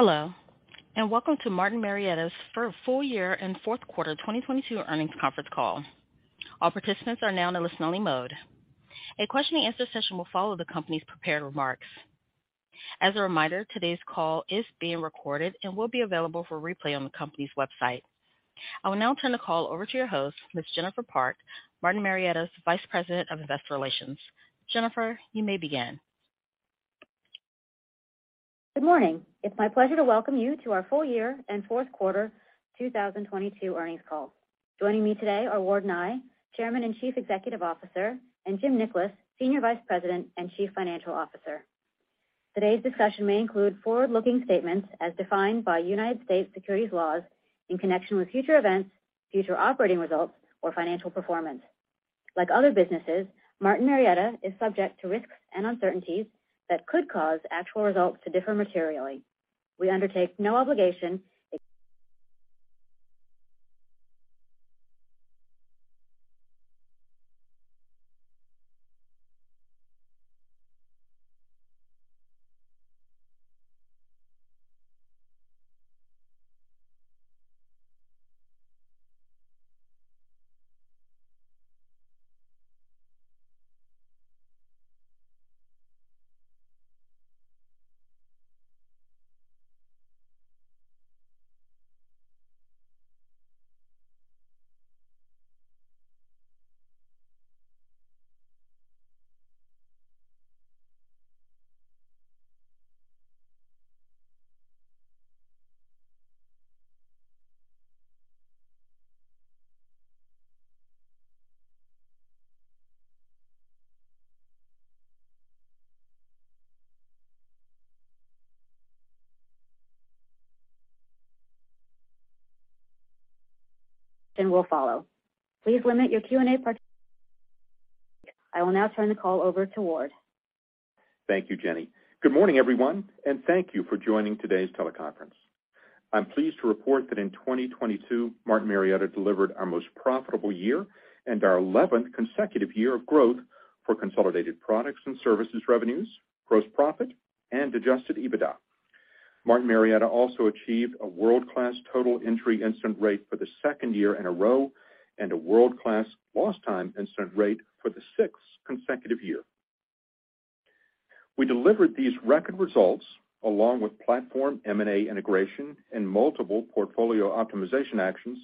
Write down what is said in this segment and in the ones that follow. Hello, welcome to Martin Marietta's for full year and fourth quarter 2022 earnings conference call. All participants are now in a listen only mode. A question and answer session will follow the company's prepared remarks. As a reminder, today's call is being recorded and will be available for replay on the company's website. I will now turn the call over to your host, Ms. Jennifer Park, Martin Marietta's Vice President of Investor Relations. Jennifer, you may begin. Good morning. It's my pleasure to welcome you to our full year and fourth quarter 2022 earnings call. Joining me today are Ward Nye, Chairman and Chief Executive Officer, and Jim Nickolas, Senior Vice President and Chief Financial Officer. Today's discussion may include forward-looking statements as defined by United States securities laws in connection with future events, future operating results or financial performance. Like other businesses, Martin Marietta is subject to risks and uncertainties that could cause actual results to differ materially. We undertake no obligation then will follow. Please limit your Q&A. I will now turn the call over to Ward. Thank you, Jenny. Good morning, everyone, and thank you for joining today's teleconference. I'm pleased to report that in 2022, Martin Marietta delivered our most profitable year and our 11th consecutive year of growth for consolidated products and services revenues, gross profit and adjusted EBITDA. Martin Marietta also achieved a world-class total injury incident rate for the second year in a row and a world-class lost time incident rate for the sixth consecutive year. We delivered these record results along with platform M&A integration and multiple portfolio optimization actions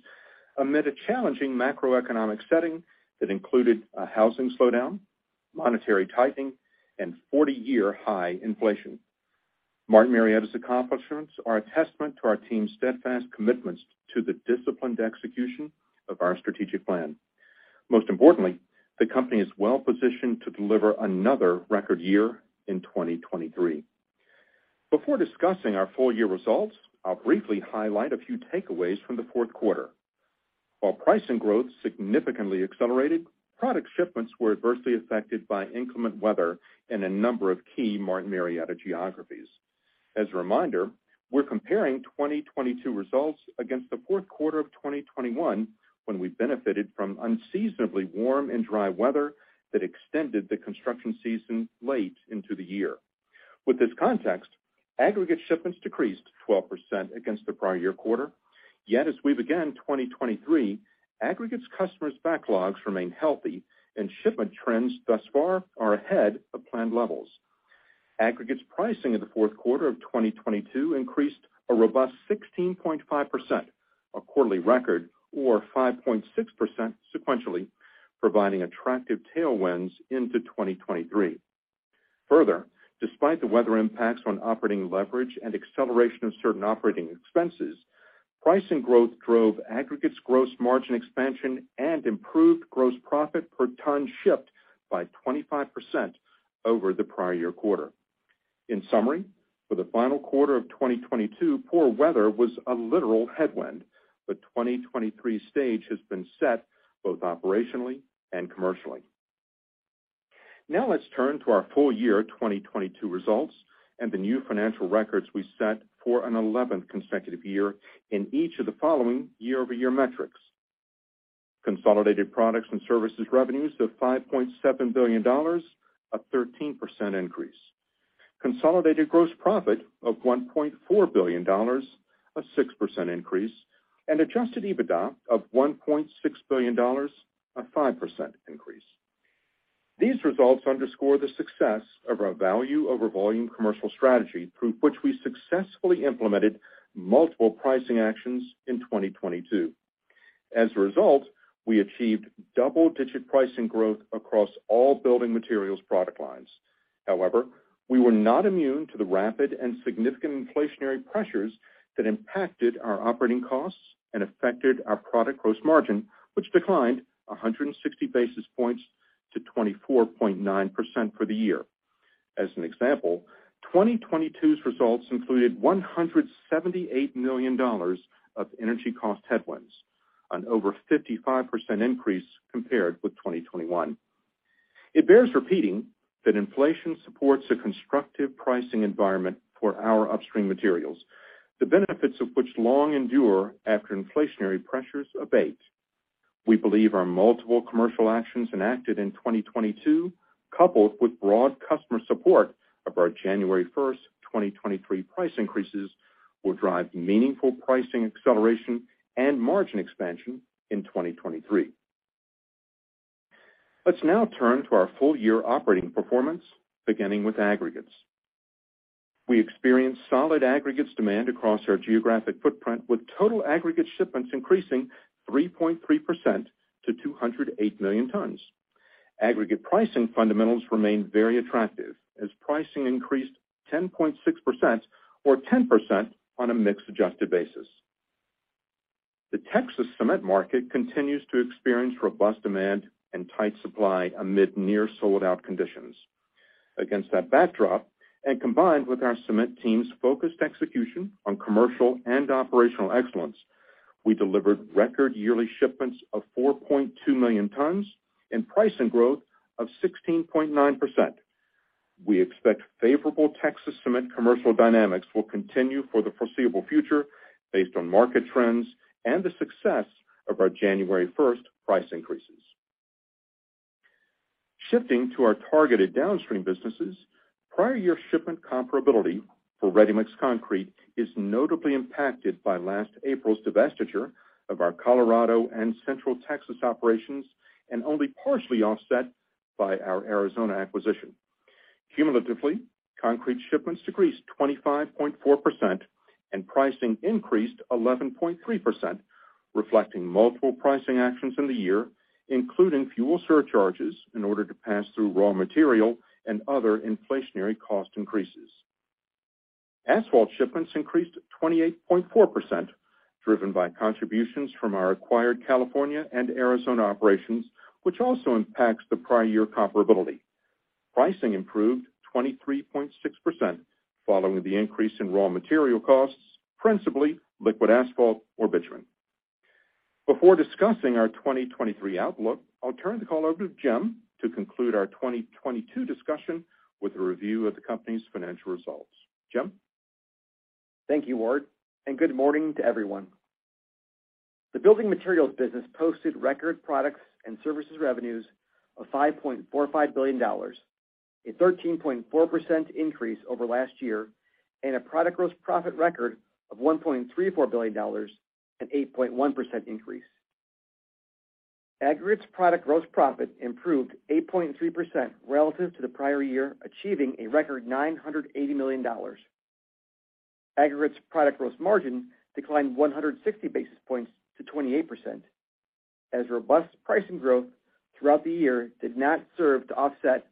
amid a challenging macroeconomic setting that included a housing slowdown, monetary tightening and 40-year high inflation. Martin Marietta's accomplishments are a testament to our team's steadfast commitments to the disciplined execution of our strategic plan. Most importantly, the company is well positioned to deliver another record year in 2023. Before discussing our full year results, I'll briefly highlight a few takeaways from the fourth quarter. While pricing growth significantly accelerated, product shipments were adversely affected by inclement weather in a number of key Martin Marietta geographies. As a reminder, we're comparing 2022 results against the fourth quarter of 2021, when we benefited from unseasonably warm and dry weather that extended the construction season late into the year. With this context, aggregate shipments decreased 12% against the prior year quarter. Yet, as we began 2023, aggregates customers backlogs remain healthy and shipment trends thus far are ahead of planned levels. Aggregates pricing in the fourth quarter of 2022 increased a robust 16.5%, a quarterly record, or 5.6% sequentially, providing attractive tailwinds into 2023. Despite the weather impacts on operating leverage and acceleration of certain operating expenses, pricing growth drove aggregates gross margin expansion and improved gross profit per ton shipped by 25% over the prior year quarter. In summary, for the final quarter of 2022, poor weather was a literal headwind, 2023 stage has been set both operationally and commercially. Let's turn to our full year 2022 results and the new financial records we set for an 11th consecutive year in each of the following year-over-year metrics. Consolidated products and services revenues of $5.7 billion, a 13% increase. Consolidated gross profit of $1.4 billion, a 6% increase. Adjusted EBITDA of $1.6 billion, a 5% increase. These results underscore the success of our value over volume commercial strategy through which we successfully implemented multiple pricing actions in 2022. As a result, we achieved double-digit pricing growth across all building materials product lines. We were not immune to the rapid and significant inflationary pressures that impacted our operating costs and affected our product gross margin, which declined 160 basis points to 24.9% for the year. As an example, 2022's results included $178 million of energy cost headwinds, an over 55% increase compared with 2021. It bears repeating that inflation supports a constructive pricing environment for our upstream materials, the benefits of which long endure after inflationary pressures abate. We believe our multiple commercial actions enacted in 2022, coupled with broad customer support of our January 1st 2023 price increases will drive meaningful pricing acceleration and margin expansion in 2023. Let's now turn to our full-year operating performance, beginning with aggregates. We experienced solid aggregates demand across our geographic footprint, with total aggregate shipments increasing 3.3% to 208 million tons. Aggregate pricing fundamentals remained very attractive as pricing increased 10.6% or 10% on a mixed adjusted basis. The Texas cement market continues to experience robust demand and tight supply amid near sold-out conditions. Against that backdrop, and combined with our cement team's focused execution on commercial and operational excellence, we delivered record yearly shipments of 4.2 million tons and pricing growth of 16.9%. We expect favorable Texas Cement commercial dynamics will continue for the foreseeable future based on market trends and the success of our January 1st price increases. Shifting to our targeted downstream businesses, prior year shipment comparability for ready-mix concrete is notably impacted by last April's divestiture of our Colorado and Central Texas operations and only partially offset by our Arizona acquisition. Cumulatively, concrete shipments decreased 25.4% and pricing increased 11.3%, reflecting multiple pricing actions in the year, including fuel surcharges in order to pass through raw material and other inflationary cost increases. Asphalt shipments increased 28.4%, driven by contributions from our acquired California and Arizona operations, which also impacts the prior year comparability. Pricing improved 23.6% following the increase in raw material costs, principally liquid asphalt or bitumen. Before discussing our 2023 outlook, I'll turn the call over to Jim to conclude our 2022 discussion with a review of the company's financial results. Jim? Thank you, Ward. Good morning to everyone. The building materials business posted record products and services revenues of $5.45 billion, a 13.4% increase over last year, and a product gross profit record of $1.34 billion, an 8.1% increase. Aggregates product gross profit improved 8.3% relative to the prior year, achieving a record $980 million. Aggregates product gross margin declined 160 basis points to 28%, as robust pricing growth throughout the year did not serve to offset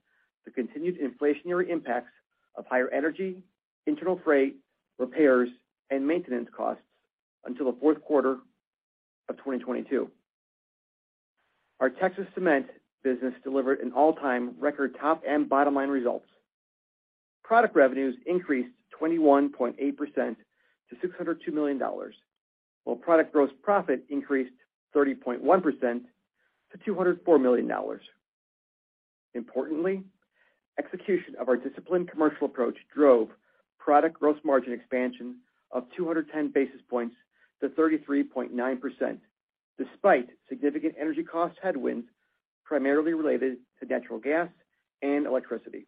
the continued inflationary impacts of higher energy, internal freight, repairs, and maintenance costs until the fourth quarter of 2022. Our Texas Cement business delivered an all-time record top and bottom line results. Product revenues increased 21.8% to $602 million, while product gross profit increased 30.1% to $204 million. Importantly, execution of our disciplined commercial approach drove product gross margin expansion of 210 basis points to 33.9%, despite significant energy cost headwinds, primarily related to natural gas and electricity.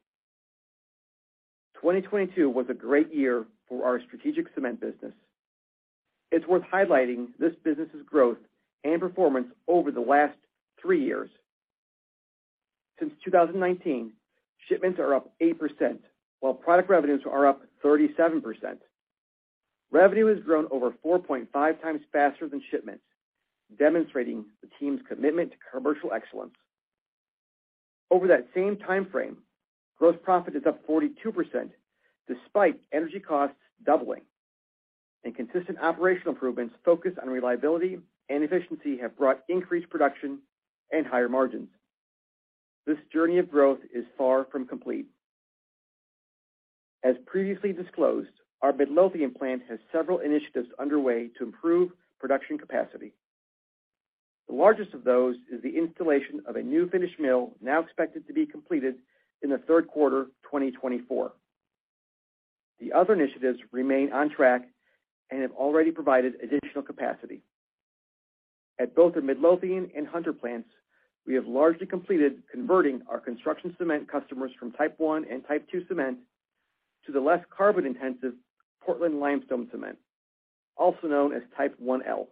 2022 was a great year for our strategic cement business. It's worth highlighting this business's growth and performance over the last three years. Since 2019, shipments are up 8%, while product revenues are up 37%. Revenue has grown over 4.5x faster than shipments, demonstrating the team's commitment to commercial excellence. Over that same timeframe, gross profit is up 42% despite energy costs doubling and consistent operational improvements focused on reliability and efficiency have brought increased production and higher margins. This journey of growth is far from complete. As previously disclosed, our Midlothian plant has several initiatives underway to improve production capacity. The largest of those is the installation of a new finished mill now expected to be completed in the third quarter 2024. The other initiatives remain on track and have already provided additional capacity. At both the Midlothian and Hunter plants, we have largely completed converting our construction cement customers from Type I and Type II cement to the less carbon-intensive Portland limestone cement, also known as Type IL.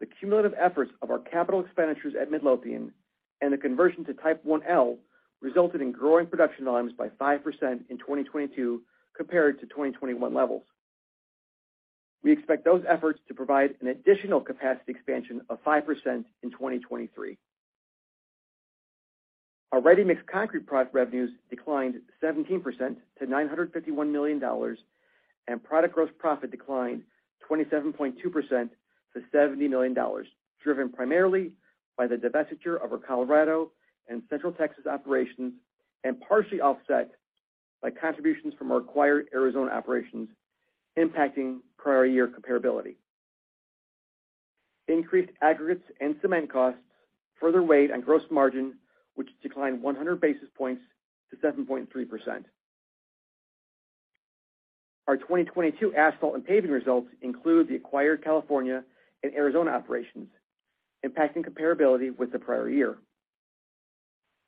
The cumulative efforts of our capital expenditures at Midlothian and the conversion to Type IL resulted in growing production volumes by 5% in 2022 compared to 2021 levels. We expect those efforts to provide an additional capacity expansion of 5% in 2023. Our ready-mix concrete product revenues declined 17% to $951 million, and product gross profit declined 27.2% to $70 million, driven primarily by the divestiture of our Colorado and Central Texas operations and partially offset by contributions from our acquired Arizona operations, impacting prior year comparability. Increased aggregates and cement costs further weighed on gross margin, which declined 100 basis points to 7.3%. Our 2022 asphalt and paving results include the acquired California and Arizona operations, impacting comparability with the prior year.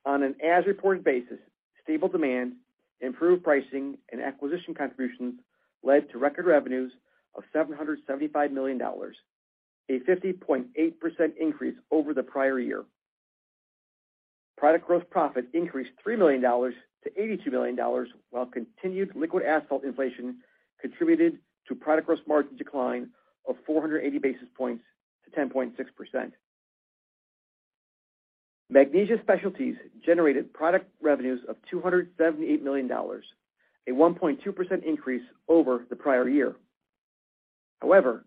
On an as-reported basis, stable demand, improved pricing, and acquisition contributions led to record revenues of $775 million, a 50.8% increase over the prior year. Product growth profit increased $3 million to $82 million while continued liquid asphalt inflation contributed to product gross margin decline of 480 basis points to 10.6%. Magnesia Specialties generated product revenues of $278 million, a 1.2% increase over the prior year. However,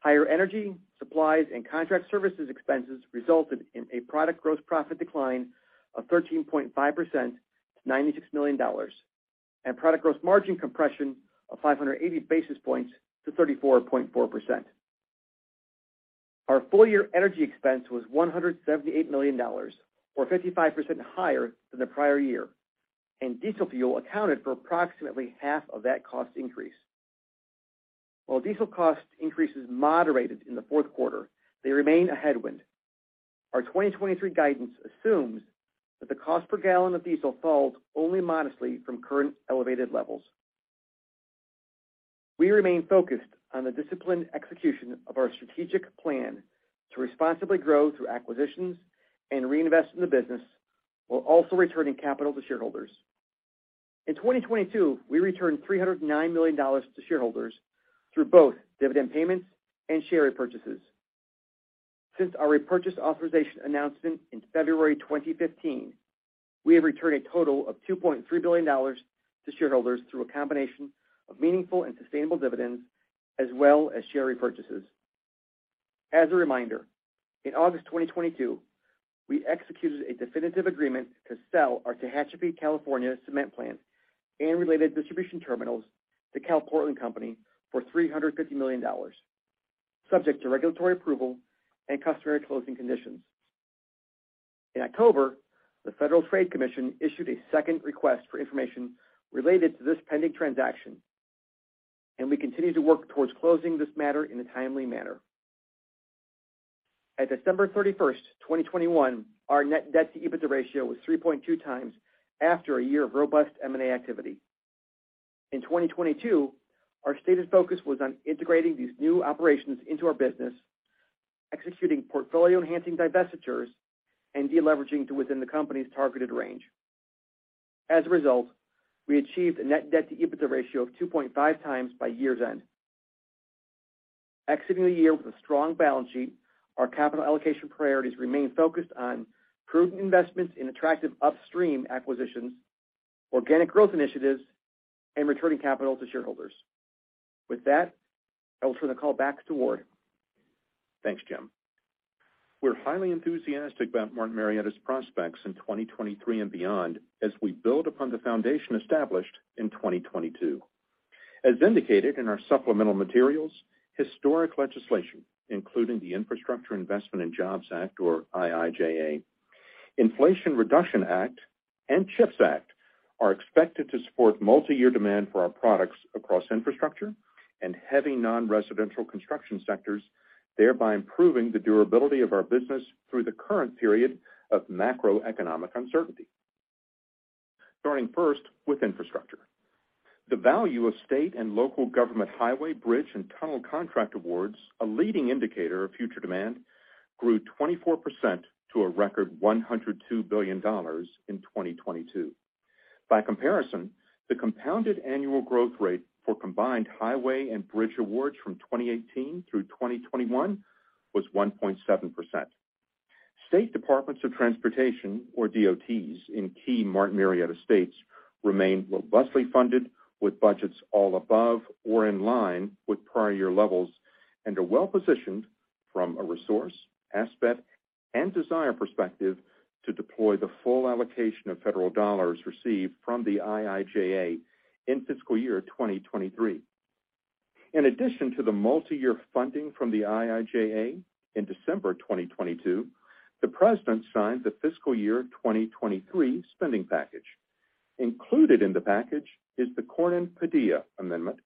higher energy, supplies, and contract services expenses resulted in a product gross profit decline of 13.5% to $96 million and product gross margin compression of 580 basis points to 34.4%. Our full year energy expense was $178 million, or 55% higher than the prior year. Diesel fuel accounted for approximately half of that cost increase. While diesel cost increases moderated in the fourth quarter, they remain a headwind. Our 2023 guidance assumes that the cost per gallon of diesel falls only modestly from current elevated levels. We remain focused on the disciplined execution of our strategic plan to responsibly grow through acquisitions and reinvest in the business while also returning capital to shareholders. In 2022, we returned $309 million to shareholders through both dividend payments and share repurchases. Since our repurchase authorization announcement in February 2015, we have returned a total of $2.3 billion to shareholders through a combination of meaningful and sustainable dividends as well as share repurchases. As a reminder, in August 2022, we executed a definitive agreement to sell our Tehachapi, California cement plant and related distribution terminals to CalPortland Company for $350 million, subject to regulatory approval and customary closing conditions. In October, the Federal Trade Commission issued a second request for information related to this pending transaction. We continue to work towards closing this matter in a timely manner. At December 31, 2021, our net debt to EBITDA ratio was 3.2 times after a year of robust M&A activity. In 2022, our stated focus was on integrating these new operations into our business, executing portfolio enhancing divestitures, and deleveraging to within the company's targeted range. As a result, we achieved a net debt to EBITDA ratio of 2.5 times by year's end. Exiting the year with a strong balance sheet, our capital allocation priorities remain focused on prudent investments in attractive upstream acquisitions, organic growth initiatives, and returning capital to shareholders. With that, I will turn the call back to Ward. Thanks, Jim. We're highly enthusiastic about Martin Marietta's prospects in 2023 and beyond as we build upon the foundation established in 2022. As indicated in our supplemental materials, historic legislation, including the Infrastructure Investment and Jobs Act, or IIJA, Inflation Reduction Act, and CHIPS Act, are expected to support multiyear demand for our products across infrastructure and heavy non-residential construction sectors, thereby improving the durability of our business through the current period of macroeconomic uncertainty. Starting first with infrastructure. The value of state and local government highway, bridge, and tunnel contract awards, a leading indicator of future demand, grew 24% to a record $102 billion in 2022. By comparison, the compounded annual growth rate for combined highway and bridge awards from 2018 through 2021 was 1.7%. State Departments of Transportation, or DOTs, in key Martin Marietta states remain robustly funded with budgets all above or in line with prior year levels, are well positioned from a resource, aspect, and desire perspective to deploy the full allocation of federal dollars received from the IIJA in fiscal year 2023. In addition to the multiyear funding from the IIJA, in December 2022, the President signed the fiscal year 2023 spending package. Included in the package is the Cornyn-Padilla amendment,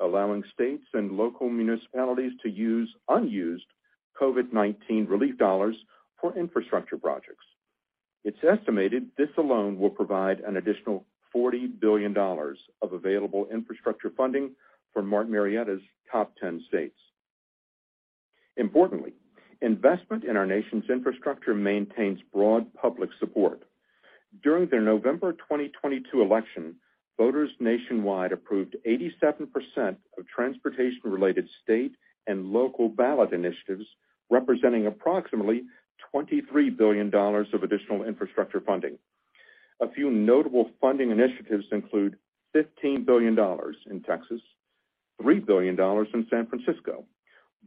allowing states and local municipalities to use unused COVID-19 relief dollars for infrastructure projects. It's estimated this alone will provide an additional $40 billion of available infrastructure funding for Martin Marietta's top 10 states. Importantly, investment in our nation's infrastructure maintains broad public support. During the November 2022 election, voters nationwide approved 87% of transportation-related state and local ballot initiatives, representing approximately $23 billion of additional infrastructure funding. A few notable funding initiatives include $15 billion in Texas, $3 billion in San Francisco,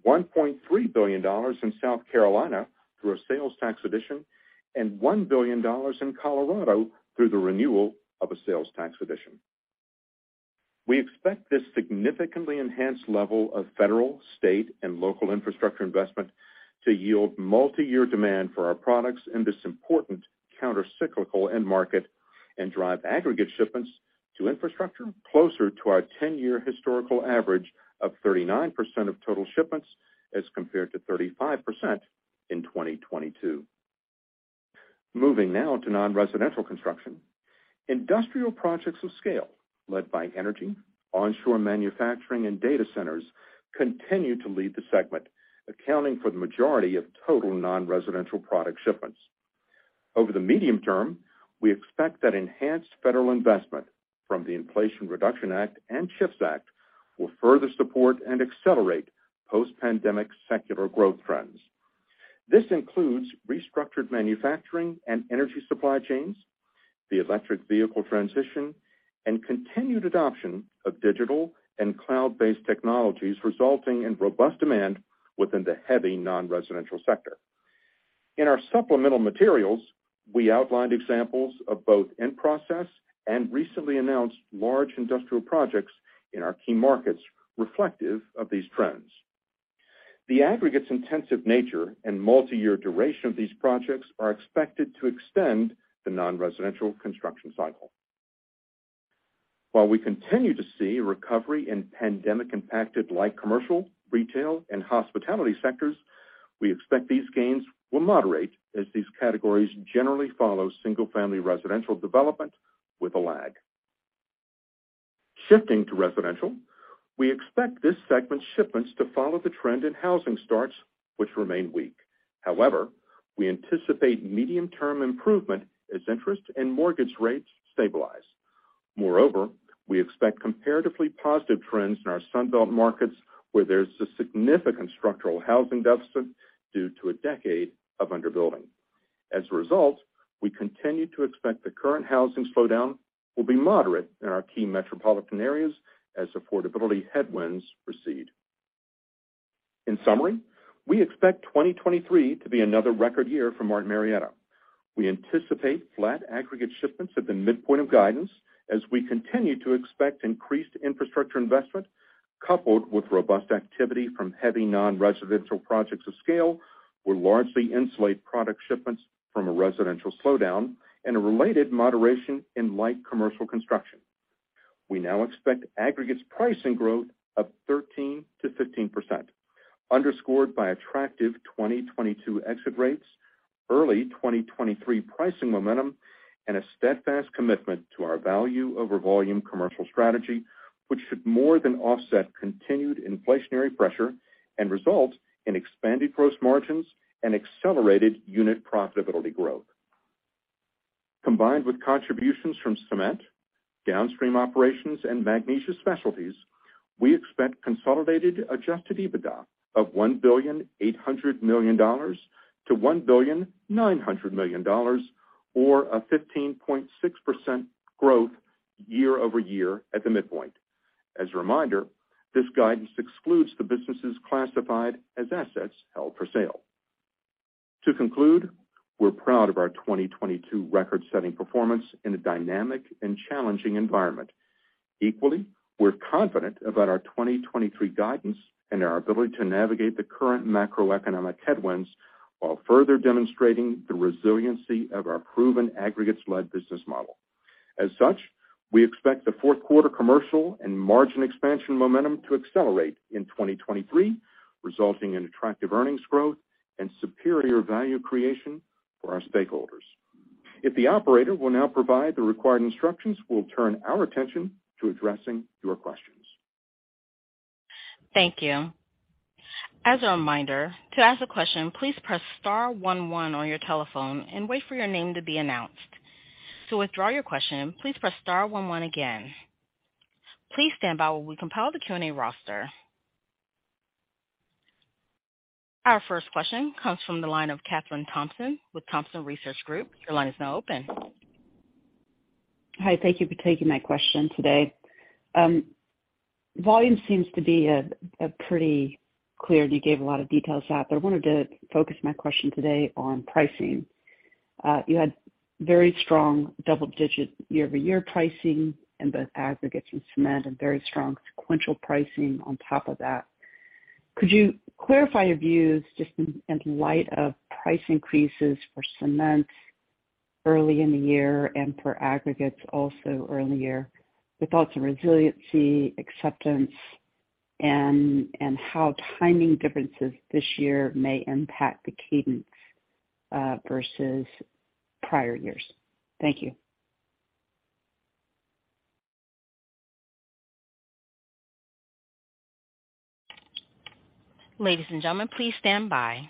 $1.3 billion in South Carolina through a sales tax addition, and $1 billion in Colorado through the renewal of a sales tax addition. We expect this significantly enhanced level of federal, state, and local infrastructure investment to yield multiyear demand for our products in this important countercyclical end market and drive aggregate shipments to infrastructure closer to our 10-year historical average of 39% of total shipments as compared to 35% in 2022. Moving now to non-residential construction. Industrial projects of scale led by energy, onshore manufacturing and data centers continue to lead the segment, accounting for the majority of total non-residential product shipments. Over the medium term, we expect that enhanced federal investment from the Inflation Reduction Act and CHIPS Act will further support and accelerate post-pandemic secular growth trends. This includes restructured manufacturing and energy supply chains, the electric vehicle transition and continued adoption of digital and cloud-based technologies, resulting in robust demand within the heavy non-residential sector. In our supplemental materials, we outlined examples of both in-process and recently announced large industrial projects in our key markets reflective of these trends. The aggregates intensive nature and multiyear duration of these projects are expected to extend the non-residential construction cycle. While we continue to see recovery in pandemic-impacted light commercial, retail and hospitality sectors, we expect these gains will moderate as these categories generally follow single-family residential development with a lag. Shifting to residential, we expect this segment shipments to follow the trend in housing starts, which remain weak. However, we anticipate medium-term improvement as interest and mortgage rates stabilize. Moreover, we expect comparatively positive trends in our Sun Belt markets where there's a significant structural housing deficit due to a decade of underbuilding. As a result, we continue to expect the current housing slowdown will be moderate in our key metropolitan areas as affordability headwinds recede. In summary, we expect 2023 to be another record year for Martin Marietta. We anticipate flat aggregate shipments at the midpoint of guidance as we continue to expect increased infrastructure investment coupled with robust activity from heavy non-residential projects of scale will largely insulate product shipments from a residential slowdown and a related moderation in light commercial construction. We now expect aggregates pricing growth of 13%-15%, underscored by attractive 2022 exit rates, early 2023 pricing momentum and a steadfast commitment to our value over volume commercial strategy, which should more than offset continued inflationary pressure and result in expanded gross margins and accelerated unit profitability growth. Combined with contributions from cement, downstream operations and Magnesia Specialties, we expect consolidated adjusted EBITDA of $1.8 billion-$1.9 billion, or a 15.6% growth year-over-year at the midpoint. As a reminder, this guidance excludes the businesses classified as assets held for sale. To conclude, we're proud of our 2022 record-setting performance in a dynamic and challenging environment. Equally, we're confident about our 2023 guidance and our ability to navigate the current macroeconomic headwinds while further demonstrating the resiliency of our proven aggregates-led business model. As such, we expect the fourth quarter commercial and margin expansion momentum to accelerate in 2023, resulting in attractive earnings growth and superior value creation for our stakeholders. If the operator will now provide the required instructions, we'll turn our attention to addressing your questions. Thank you. As a reminder, to ask a question, please press star one one on your telephone and wait for your name to be announced. To withdraw your question, please press star one one again. Please stand by while we compile the Q&A roster. Our first question comes from the line of Kathryn Thompson with Thompson Research Group. Your line is now open. Hi. Thank you for taking my question today. volume seems to be a pretty clear, and you gave a lot of details out, but I wanted to focus my question today on pricing. You had very strong double digit year-over-year pricing in both aggregates and cement and very strong sequential pricing on top of that. Could you clarify your views just in light of price increases for cement early in the year and for aggregates also early in the year, with also resiliency, acceptance and how timing differences this year may impact the cadence versus prior years? Thank you. Ladies and gentlemen, please stand by.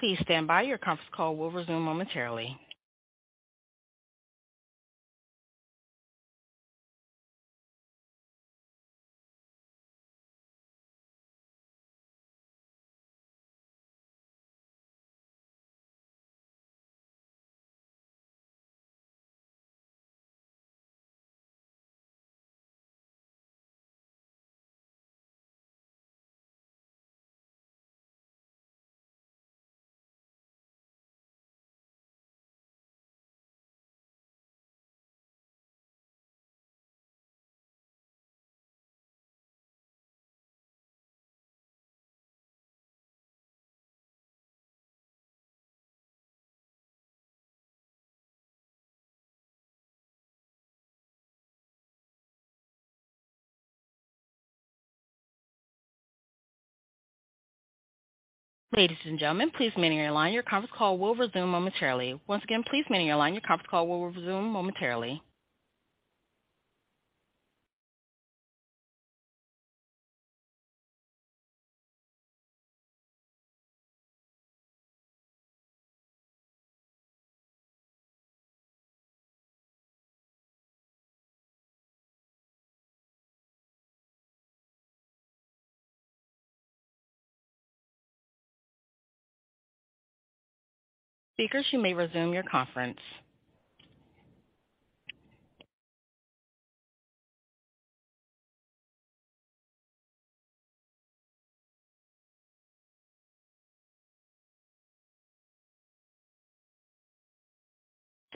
Your conference call will resume momentarily. Ladies and gentlemen, please remain on your line. Your conference call will resume momentarily. Once again, please remain your line. Your conference call will resume momentarily. Speakers, you may resume your conference.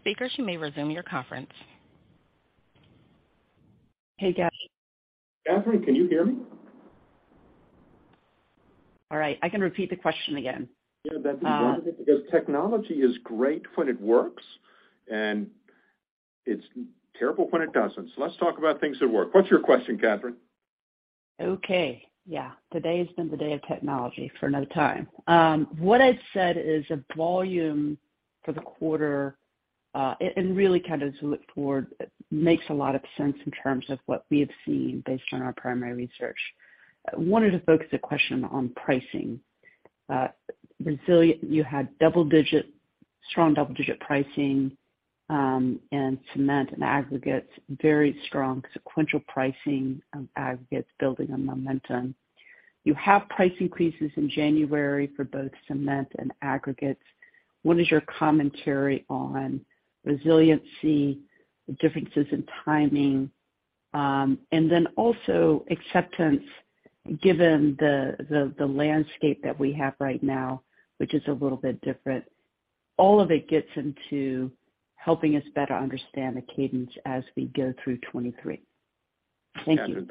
Hey, guys. Catherine, can you hear me? All right. I can repeat the question again. Yeah, that'd be wonderful, because technology is great when it works and it's terrible when it doesn't. Let's talk about things that work. What's your question, Kathryn? Okay. Yeah. Today has been the day of technology for another time. What I said is a volume for the quarter, and really kind of as we look forward, makes a lot of sense in terms of what we have seen based on our primary research. I wanted to focus a question on pricing. Resilience, you had double digit, strong double digit pricing in cement and aggregates, very strong sequential pricing on aggregates building on momentum. You have price increases in January for both cement and aggregates. What is your commentary on resiliency, the differences in timing, and then also acceptance given the landscape that we have right now, which is a little bit different. All of it gets into helping us better understand the cadence as we go through 23. Thank you. Catherine,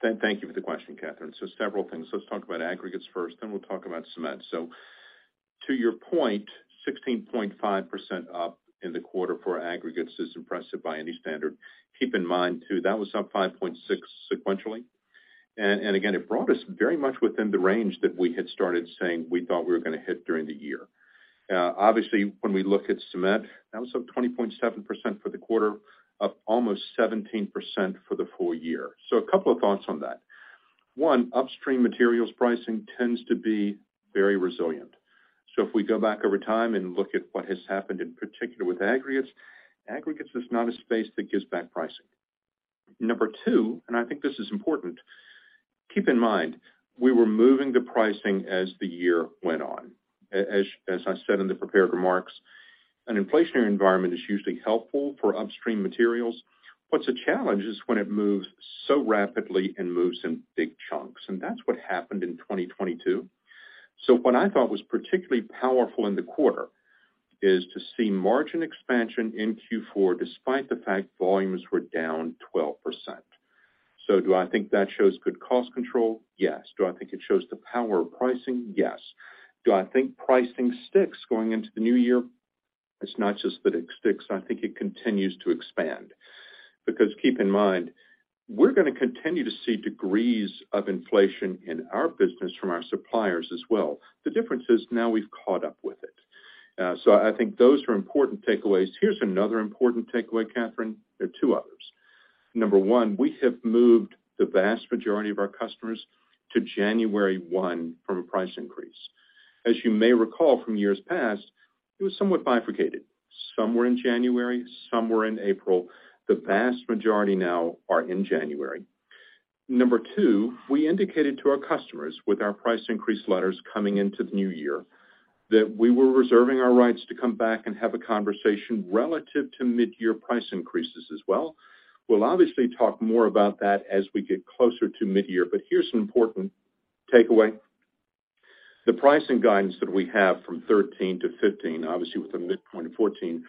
thanks. Thank you for the question, Catherine. Several things. Let's talk about aggregates first, then we'll talk about cement. To your point, 16.5% up in the quarter for aggregates is impressive by any standard. Keep in mind too, that was up 5.6% sequentially. Again, it brought us very much within the range that we had started saying we thought we're gonna hit during the year. Obviously, when we look at cement, that was up 20.7% for the quarter, up almost 17% for the full year. A couple of thoughts on that. One, upstream materials pricing tends to be very resilient. If we go back over time and look at what has happened, in particular with aggregates is not a space that gives back pricing. Number two, I think this is important, keep in mind, we were moving the pricing as the year went on. As I said in the prepared remarks, an inflationary environment is usually helpful for upstream materials. What's a challenge is when it moves so rapidly and moves in big chunks, that's what happened in 2022. What I thought was particularly powerful in the quarter is to see margin expansion in Q4 despite the fact volumes were down 12%. Do I think that shows good cost control? Yes. Do I think it shows the power of pricing? Yes. Do I think pricing sticks going into the new year? It's not just that it sticks, I think it continues to expand. Keep in mind, we're gonna continue to see degrees of inflation in our business from our suppliers as well. The difference is now we've caught up with it. I think those are important takeaways. Here's another important takeaway, Catherine. There are two others. Number 1, we have moved the vast majority of our customers to January 1 from a price increase. As you may recall from years past, it was somewhat bifurcated. Some were in January, some were in April. The vast majority now are in January. Number 2, we indicated to our customers with our price increase letters coming into the new year that we were reserving our rights to come back and have a conversation relative to mid-year price increases as well. We'll obviously talk more about that as we get closer to mid-year, here's an important takeaway. The pricing guidance that we have from 13%-15%, obviously with the midpoint of 14%,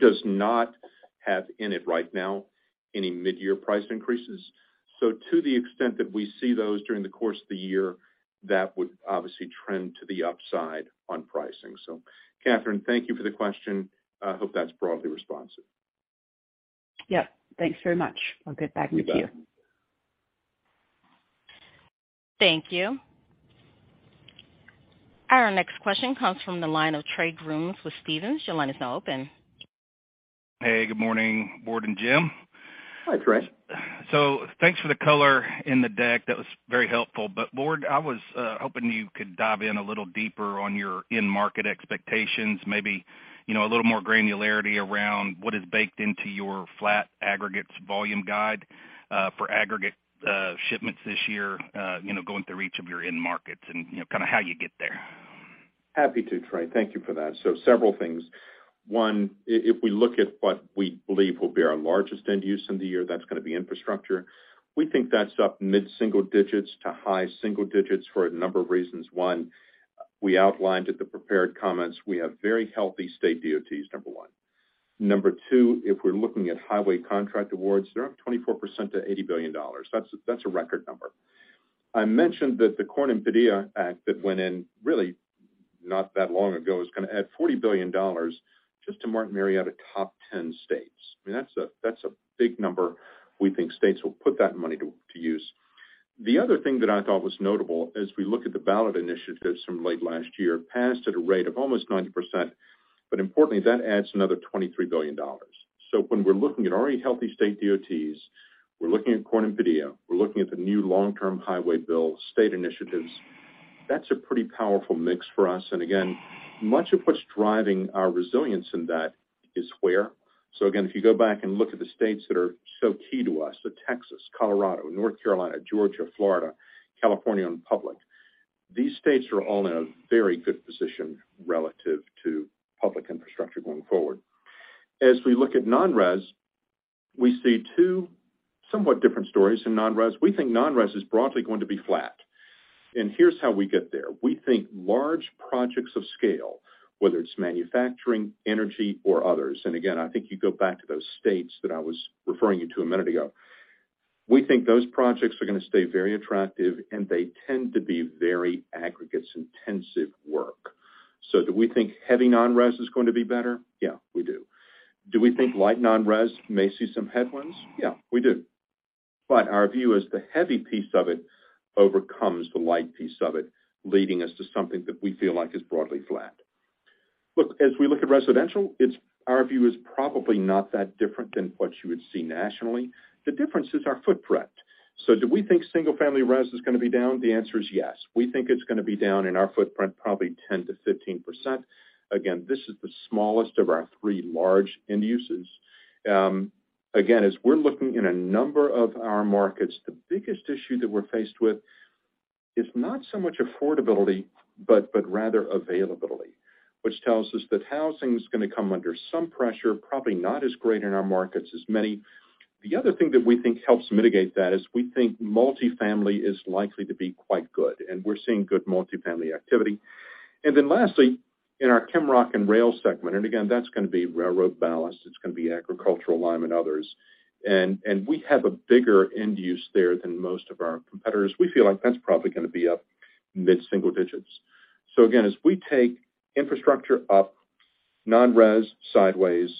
does not have in it right now any mid-year price increases. To the extent that we see those during the course of the year, that would obviously trend to the upside on pricing. Catherine, thank you for the question. I hope that's broadly responsive. Yep. Thanks very much. I'll get back to you. You bet. Thank you. Our next question comes from the line of Trey Grooms with Stephens. Your line is now open. Hey, good morning, Ward and Jim. Hi, Trey. Thanks for the color in the deck. That was very helpful. Ward, I was hoping you could dive in a little deeper on your end market expectations, maybe, you know, a little more granularity around what is baked into your flat aggregates volume guide for aggregate shipments this year, you know, going through each of your end markets and, you know, kind of how you get there? Happy to, Trey. Thank you for that. Several things. One, if we look at what we believe will be our largest end use in the year, that's gonna be infrastructure. We think that's up mid-single digits to high single digits for a number of reasons. One, we outlined at the prepared comments, we have very healthy state DOTs, number one. Number two, if we're looking at highway contract awards, they're up 24% to $80 billion. That's a record number. I mentioned that the Cornyn-Padilla Act that went in really not that long ago is gonna add $40 billion just to Martin Marietta out a top 10 states. I mean, that's a big number we think states will put that money to use. The other thing that I thought was notable as we look at the ballot initiatives from late last year, passed at a rate of almost 90%. Importantly, that adds another $23 billion. When we're looking at already healthy state DOTs, we're looking at Cornyn-Padilla, we're looking at the new long-term highway bill, state initiatives, that's a pretty powerful mix for us. Again, much of what's driving our resilience in that is where. Again, if you go back and look at the states that are so key to us, the Texas, Colorado, North Carolina, Georgia, Florida, California, and Pueblo, these states are all in a very good position relative to public infrastructure going forward. As we look at non-res, we see two somewhat different stories in non-res. We think non-res is broadly going to be flat. Here's how we get there. We think large projects of scale, whether it's manufacturing, energy, or others, and again, I think you go back to those states that I was referring you to a minute ago. We think those projects are gonna stay very attractive, and they tend to be very aggregates intensive work. Do we think heavy non-res is going to be better? Yeah, we do. Do we think light non-res may see some headwinds? Yeah, we do. Our view is the heavy piece of it overcomes the light piece of it, leading us to something that we feel like is broadly flat. Look, as we look at residential, it's our view is probably not that different than what you would see nationally. The difference is our footprint. Do we think single-family res is gonna be down? The answer is yes. We think it's gonna be down in our footprint, probably 10%-15%. This is the smallest of our three large end uses. As we're looking in a number of our markets, the biggest issue that we're faced with is not so much affordability, but rather availability, which tells us that housing is gonna come under some pressure, probably not as great in our markets as many. The other thing that we think helps mitigate that is we think multifamily is likely to be quite good, and we're seeing good multifamily activity. Lastly, in our ChemRock/Rail segment, that's gonna be railroad ballast, it's gonna be agricultural lime and others. We have a bigger end use there than most of our competitors. We feel like that's probably gonna be up mid-single digits. Again, as we take infrastructure up, non-res sideways,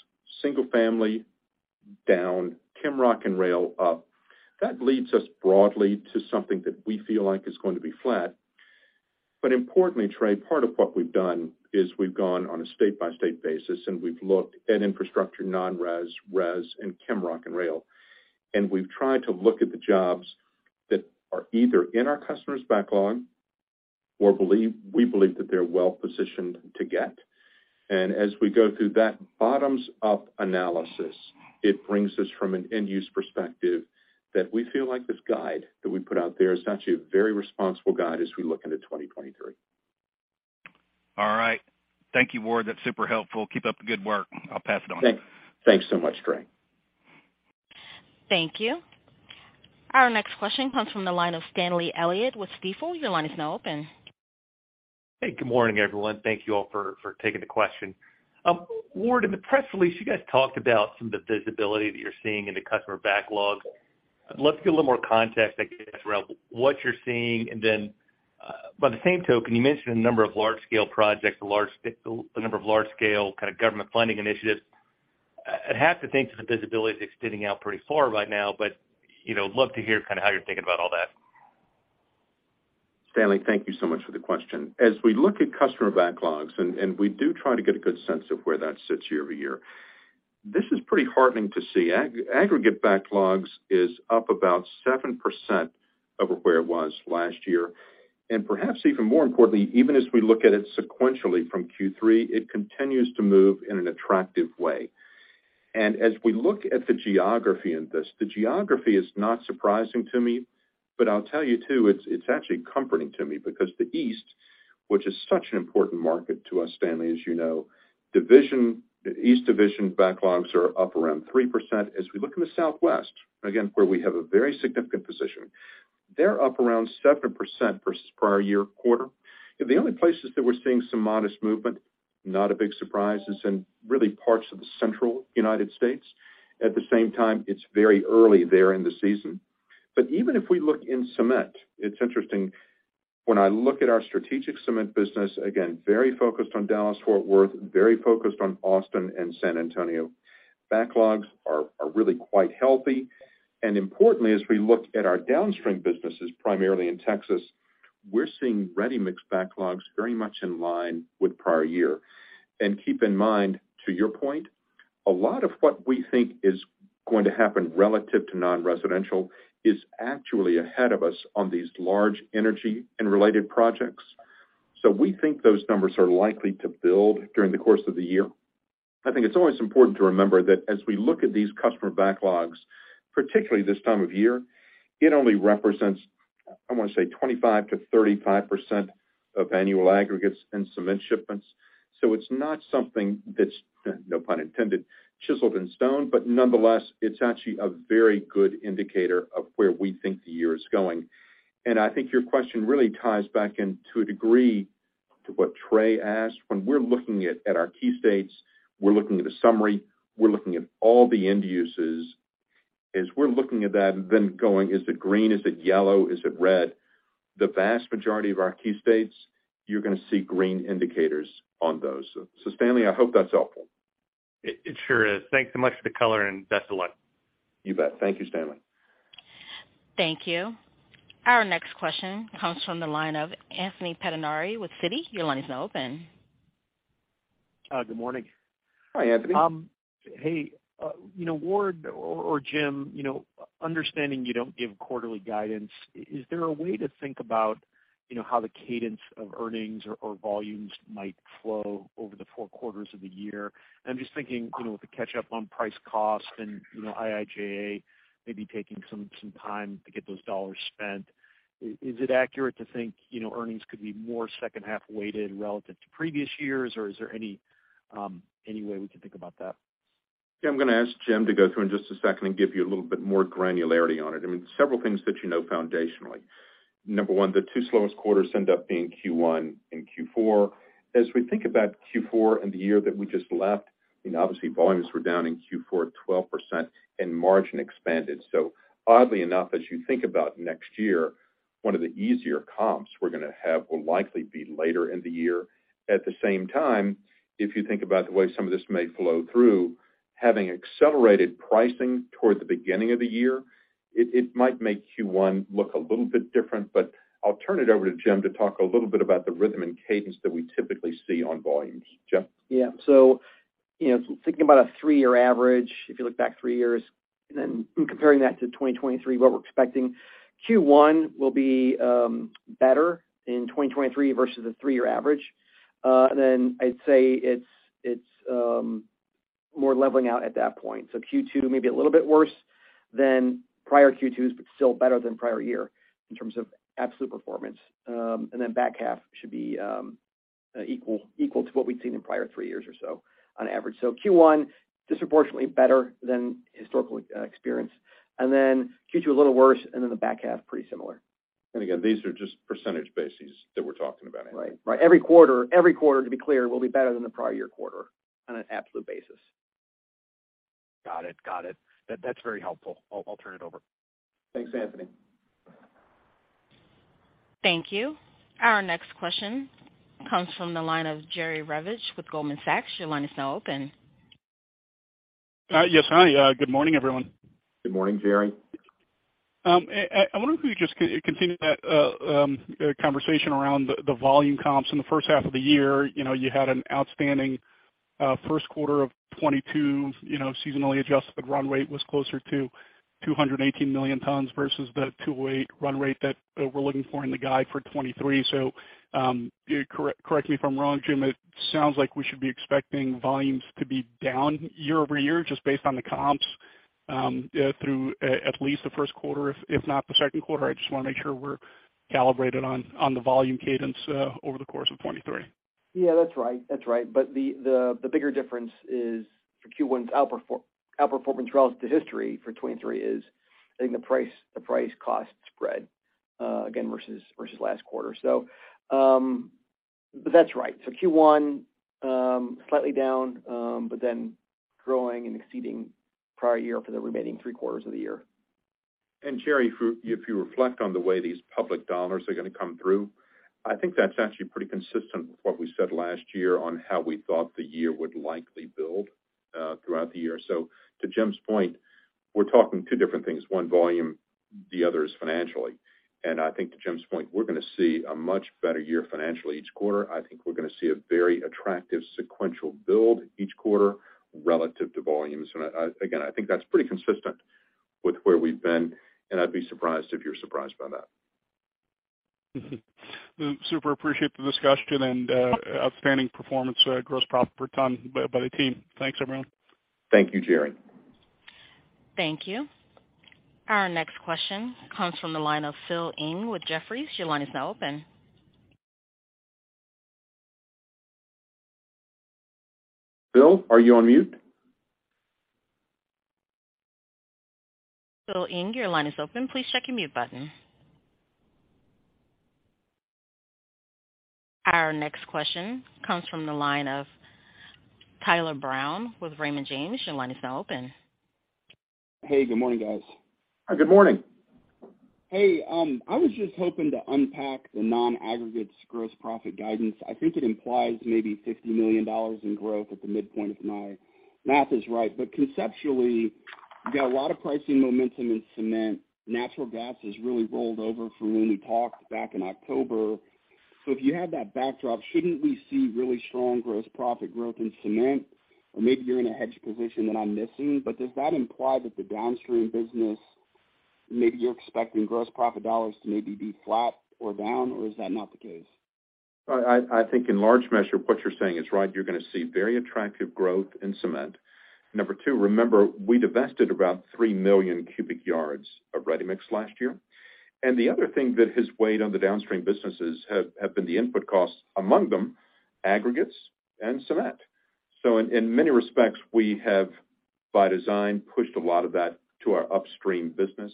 single family down, ChemRock/Rail up, that leads us broadly to something that we feel like is going to be flat. Importantly, Trey, part of what we've done is we've gone on a state-by-state basis, and we've looked at infrastructure, non-res, res, and ChemRock/Rail. We've tried to look at the jobs that are either in our customers' backlog or we believe that they're well-positioned to get. As we go through that bottoms-up analysis, it brings us from an end-use perspective that we feel like this guide that we put out there is actually a very responsible guide as we look into 2023. All right. Thank you, Ward. That's super helpful. Keep up the good work. I'll pass it on. Thanks so much, Trey. Thank you. Our next question comes from the line of Stanley Elliott with Stifel. Your line is now open. Hey, good morning, everyone. Thank You all for taking the question. Ward, in the press release, you guys talked about some of the visibility that you're seeing in the customer backlog. I'd love to get a little more context, I guess, around what you're seeing. By the same token, you mentioned a number of large-scale projects, a number of large-scale kind of government funding initiatives. I'd have to think that the visibility is extending out pretty far right now, you know, love to hear kind of how you're thinking about all that. Stanley, thank you so much for the question. As we look at customer backlogs, and we do try to get a good sense of where that sits year-over-year, this is pretty heartening to see. Aggregate backlogs is up about 7% over where it was last year. Perhaps even more importantly, even as we look at it sequentially from Q3, it continues to move in an attractive way. As we look at the geography in this, the geography is not surprising to me, but I'll tell you, too, it's actually comforting to me because the East, which is such an important market to us, Stanley, as you know, East Division backlogs are up around 3%. As we look in the Southwest, again, where we have a very significant position, they're up around 7% versus prior-year quarter. The only places that we're seeing some modest movement, not a big surprise, is in really parts of the central United States. It's very early there in the season. Even if we look in cement, it's interesting when I look at our strategic cement business, again, very focused on Dallas-Fort Worth, very focused on Austin and San Antonio. Backlogs are really quite healthy. Importantly, as we look at our downstream businesses, primarily in Texas, we're seeing ready mix backlogs very much in line with prior year. Keep in mind, to your point, a lot of what we think is going to happen relative to non-residential is actually ahead of us on these large energy and related projects. We think those numbers are likely to build during the course of the year. I think it's always important to remember that as we look at these customer backlogs, particularly this time of year, it only represents, I wanna say, 25%-35% of annual aggregates and cement shipments. It's not something that's, no pun intended, chiseled in stone, but nonetheless, it's actually a very good indicator of where we think the year is going. I think your question really ties back in, to a degree, to what Trey asked. When we're looking at our key states, we're looking at a summary, we're looking at all the end uses. As we're looking at that and then going, "Is it green? Is it yellow? Is it red?" The vast majority of our key states, you're gonna see green indicators on those. Stanley, I hope that's helpful. It sure is. Thanks so much for the color and best of luck. You bet. Thank you, Stanley. Thank you. Our next question comes from the line of Anthony Pettinari with Citi. Your line is now open. Good morning. Hi, Anthony. Hey, you know, Ward or Jim, you know, understanding you don't give quarterly guidance, is there a way to think about, you know, how the cadence of earnings or volumes might flow over the four quarters of the year? I'm just thinking, you know, with the catch up on price cost and, you know, IIJA maybe taking some time to get those dollars spent. Is it accurate to think, you know, earnings could be more second half weighted relative to previous years? Or is there any way we can think about that? Yeah, I'm gonna ask Jim to go through in just a second and give you a little bit more granularity on it. I mean, several things that you know foundationally. Number 1, the two slowest quarters end up being Q1 and Q4. As we think about Q4 and the year that we just left, you know, obviously, volumes were down in Q4 12% and margin expanded. Oddly enough, as you think about next year, one of the easier comps we're gonna have will likely be later in the year. At the same time, if you think about the way some of this may flow through, having accelerated pricing toward the beginning of the year, it might make Q1 look a little bit different, but I'll turn it over to Jim to talk a little bit about the rhythm and cadence that we typically see on volumes. Jim? Yeah. you know, thinking about a three-year average, if you look back three years and then comparing that to 2023, what we're expecting, Q1 will be better in 2023 versus the three-year average. I'd say it's more leveling out at that point. Q2 may be a little bit worse than prior Q2s, but still better than prior year in terms of absolute performance. back half should be equal to what we'd seen in prior years or so on average. Q1, disproportionately better than historical experience, Q2 a little worse, the back half pretty similar. Again, these are just percentage bases that we're talking about. Right. Every quarter, to be clear, will be better than the prior year quarter on an absolute basis. Got it. That's very helpful. I'll turn it over. Thanks, Anthony. Thank you. Our next question comes from the line of Jerry Revich with Goldman Sachs. Your line is now open. Yes. Hi. Good morning, everyone. Good morning, Jerry. I wonder if you just continue that conversation around the volume comps in the first half of the year. You know, you had an outstanding first quarter of 2022. You know, seasonally adjusted run rate was closer to 218 million tons versus the 208 run rate that we're looking for in the guide for 2023. Correct me if I'm wrong, Jim, it sounds like we should be expecting volumes to be down year-over-year just based on the comps through at least the first quarter if not the second quarter. I just wanna make sure we're calibrated on the volume cadence over the course of 2023. Yeah, that's right. That's right. The bigger difference is for Q1's outperformance relative to history for 23 is I think the price cost spread, again, versus last quarter. That's right. Q1, slightly down, but then growing and exceeding prior year for the remaining 3 quarters of the year. Jerry, if you, if you reflect on the way these public dollars are gonna come through, I think that's actually pretty consistent with what we said last year on how we thought the year would likely build throughout the year. To Jim's point, we're talking two different things. One, volume, the other is financially. I think to Jim's point, we're gonna see a much better year financially each quarter. I think we're gonna see a very attractive sequential build each quarter relative to volumes. Again, I think that's pretty consistent with where we've been, and I'd be surprised if you're surprised by that. Super appreciate the discussion and outstanding performance, gross profit per ton by the team. Thanks, everyone. Thank you, Jerry. Thank you. Our next question comes from the line of Philip Ng with Jefferies. Your line is now open. Phil, are you on mute? Philip Ng, your line is open. Please check your mute button. Our next question comes from the line of Tyler Brown with Raymond James. Your line is now open. Hey, good morning, guys. Good morning. Hey, I was just hoping to unpack the non-aggregates gross profit guidance. I think it implies maybe $50 million in growth at the midpoint if my math is right. Conceptually, you got a lot of pricing momentum in cement. Natural gas has really rolled over from when we talked back in October. If you had that backdrop, shouldn't we see really strong gross profit growth in cement? Maybe you're in a hedge position that I'm missing, but does that imply that the downstream business Maybe you're expecting gross profit dollars to maybe be flat or down, or is that not the case? I think in large measure, what you're saying is right. You're gonna see very attractive growth in cement. Number two, remember, we divested about 3 million cubic yards of ready-mix last year. The other thing that has weighed on the downstream businesses have been the input costs, among them aggregates and cement. In many respects, we have, by design, pushed a lot of that to our upstream business.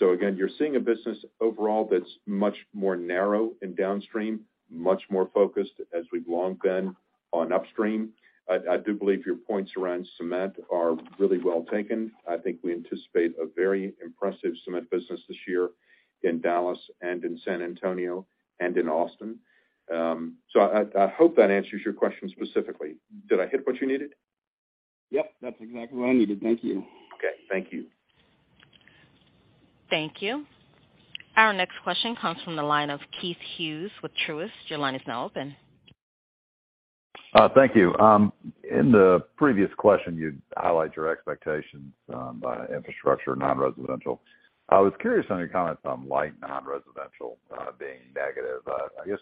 Again, you're seeing a business overall that's much more narrow in downstream, much more focused, as we've long been, on upstream. I do believe your points around cement are really well taken. I think we anticipate a very impressive cement business this year in Dallas and in San Antonio and in Austin. I hope that answers your question specifically. Did I hit what you needed? Yep, that's exactly what I needed. Thank you. Okay, thank you. Thank you. Our next question comes from the line of Keith Hughes with Truist. Your line is now open. Thank you. In the previous question, you'd highlight your expectations, by infrastructure, non-residential. I was curious on your comments on light non-residential, being negative. I guess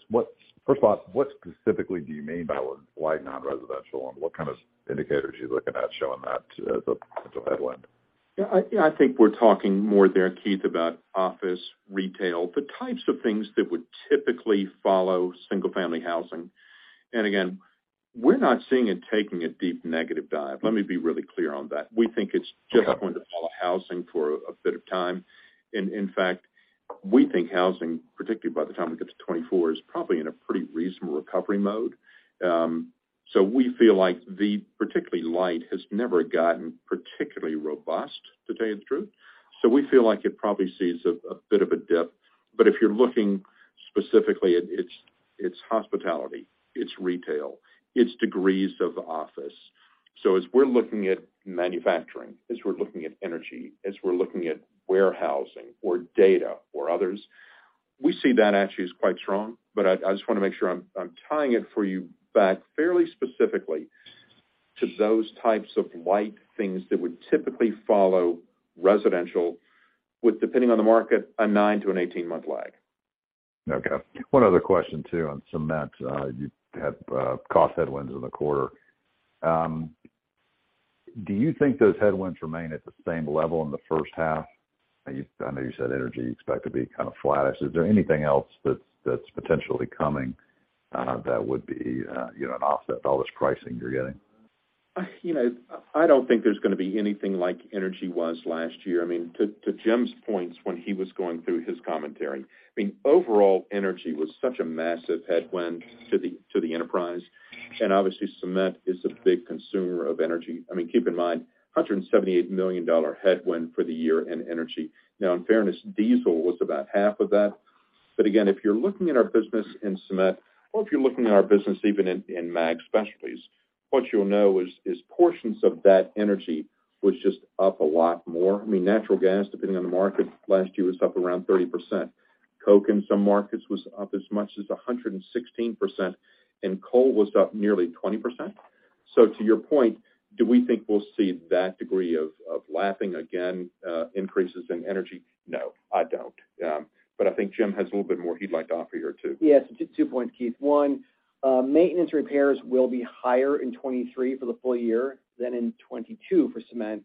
first of all, what specifically do you mean by light non-residential, and what kind of indicators are you looking at showing that as a headwind? Yeah, I think we're talking more there, Keith, about office, retail, the types of things that would typically follow single-family housing. Again, we're not seeing it taking a deep negative dive. Let me be really clear on that. We think it's just going to follow housing for a bit of time. In fact, we think housing, particularly by the time we get to 2024, is probably in a pretty reasonable recovery mode. We feel like the particularly light has never gotten particularly robust, to tell you the truth. We feel like it probably sees a bit of a dip. If you're looking specifically, it's hospitality, it's retail, it's degrees of office. As we're looking at manufacturing, as we're looking at energy, as we're looking at warehousing or data or others, we see that actually as quite strong. I just wanna make sure I'm tying it for you back fairly specifically to those types of light things that would typically follow residential with, depending on the market, a 9-18 month lag. Okay. One other question, too, on cement. You had cost headwinds in the quarter. Do you think those headwinds remain at the same level in the first half? I know you said energy you expect to be kind of flat. Is there anything else that's potentially coming, that would be, you know, an offset to all this pricing you're getting? You know, I don't think there's gonna be anything like energy was last year. I mean, to Jim's points when he was going through his commentary, I mean, overall, energy was such a massive headwind to the enterprise. Obviously, cement is a big consumer of energy. I mean, keep in mind, $178 million headwind for the year in energy. Now, in fairness, diesel was about half of that. Again, if you're looking at our business in cement, or if you're looking at our business even in Mag Specialties, what you'll know is portions of that energy was just up a lot more. I mean, natural gas, depending on the market last year, was up around 30%. coke in some markets was up as much as 116%, and coal was up nearly 20%. To your point, do we think we'll see that degree of lapping again, increases in energy? No, I don't. I think Jim has a little bit more he'd like to offer here, too. Two points, Keith. 1. Maintenance repairs will be higher in 2023 for the full year than in 2022 for cement.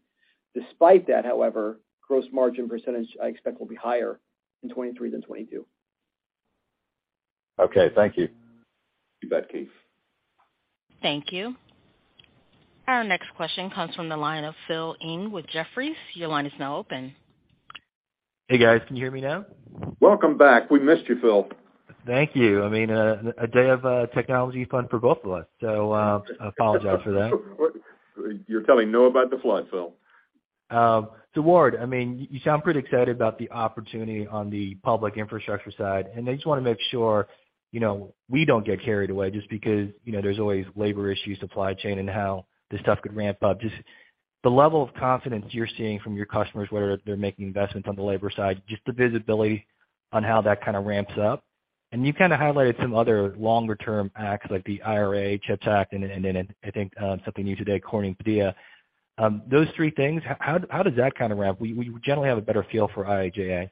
Despite that, however, gross margin percentage, I expect, will be higher in 2023 than 2022. Okay, thank you. You bet, Keith. Thank you. Our next question comes from the line of Philip Ng with Jefferies. Your line is now open. Hey, guys. Can you hear me now? Welcome back. We missed you, Phil. Thank you. I mean, a day of technology fun for both of us. I apologize for that. You're telling Noah about the flood, Phil. Ward, I mean, you sound pretty excited about the opportunity on the public infrastructure side, and I just wanna make sure, you know, we don't get carried away just because, you know, there's always labor issues, supply chain, and how this stuff could ramp up. Just the level of confidence you're seeing from your customers, whether they're making investments on the labor side, just the visibility on how that kind of ramps up? You kind of highlighted some other longer-term acts like the IRA, CHIPS Act and then I think something new today, Cornyn-Padilla. Those three things, how does that kind of ramp? We generally have a better feel for IIJA.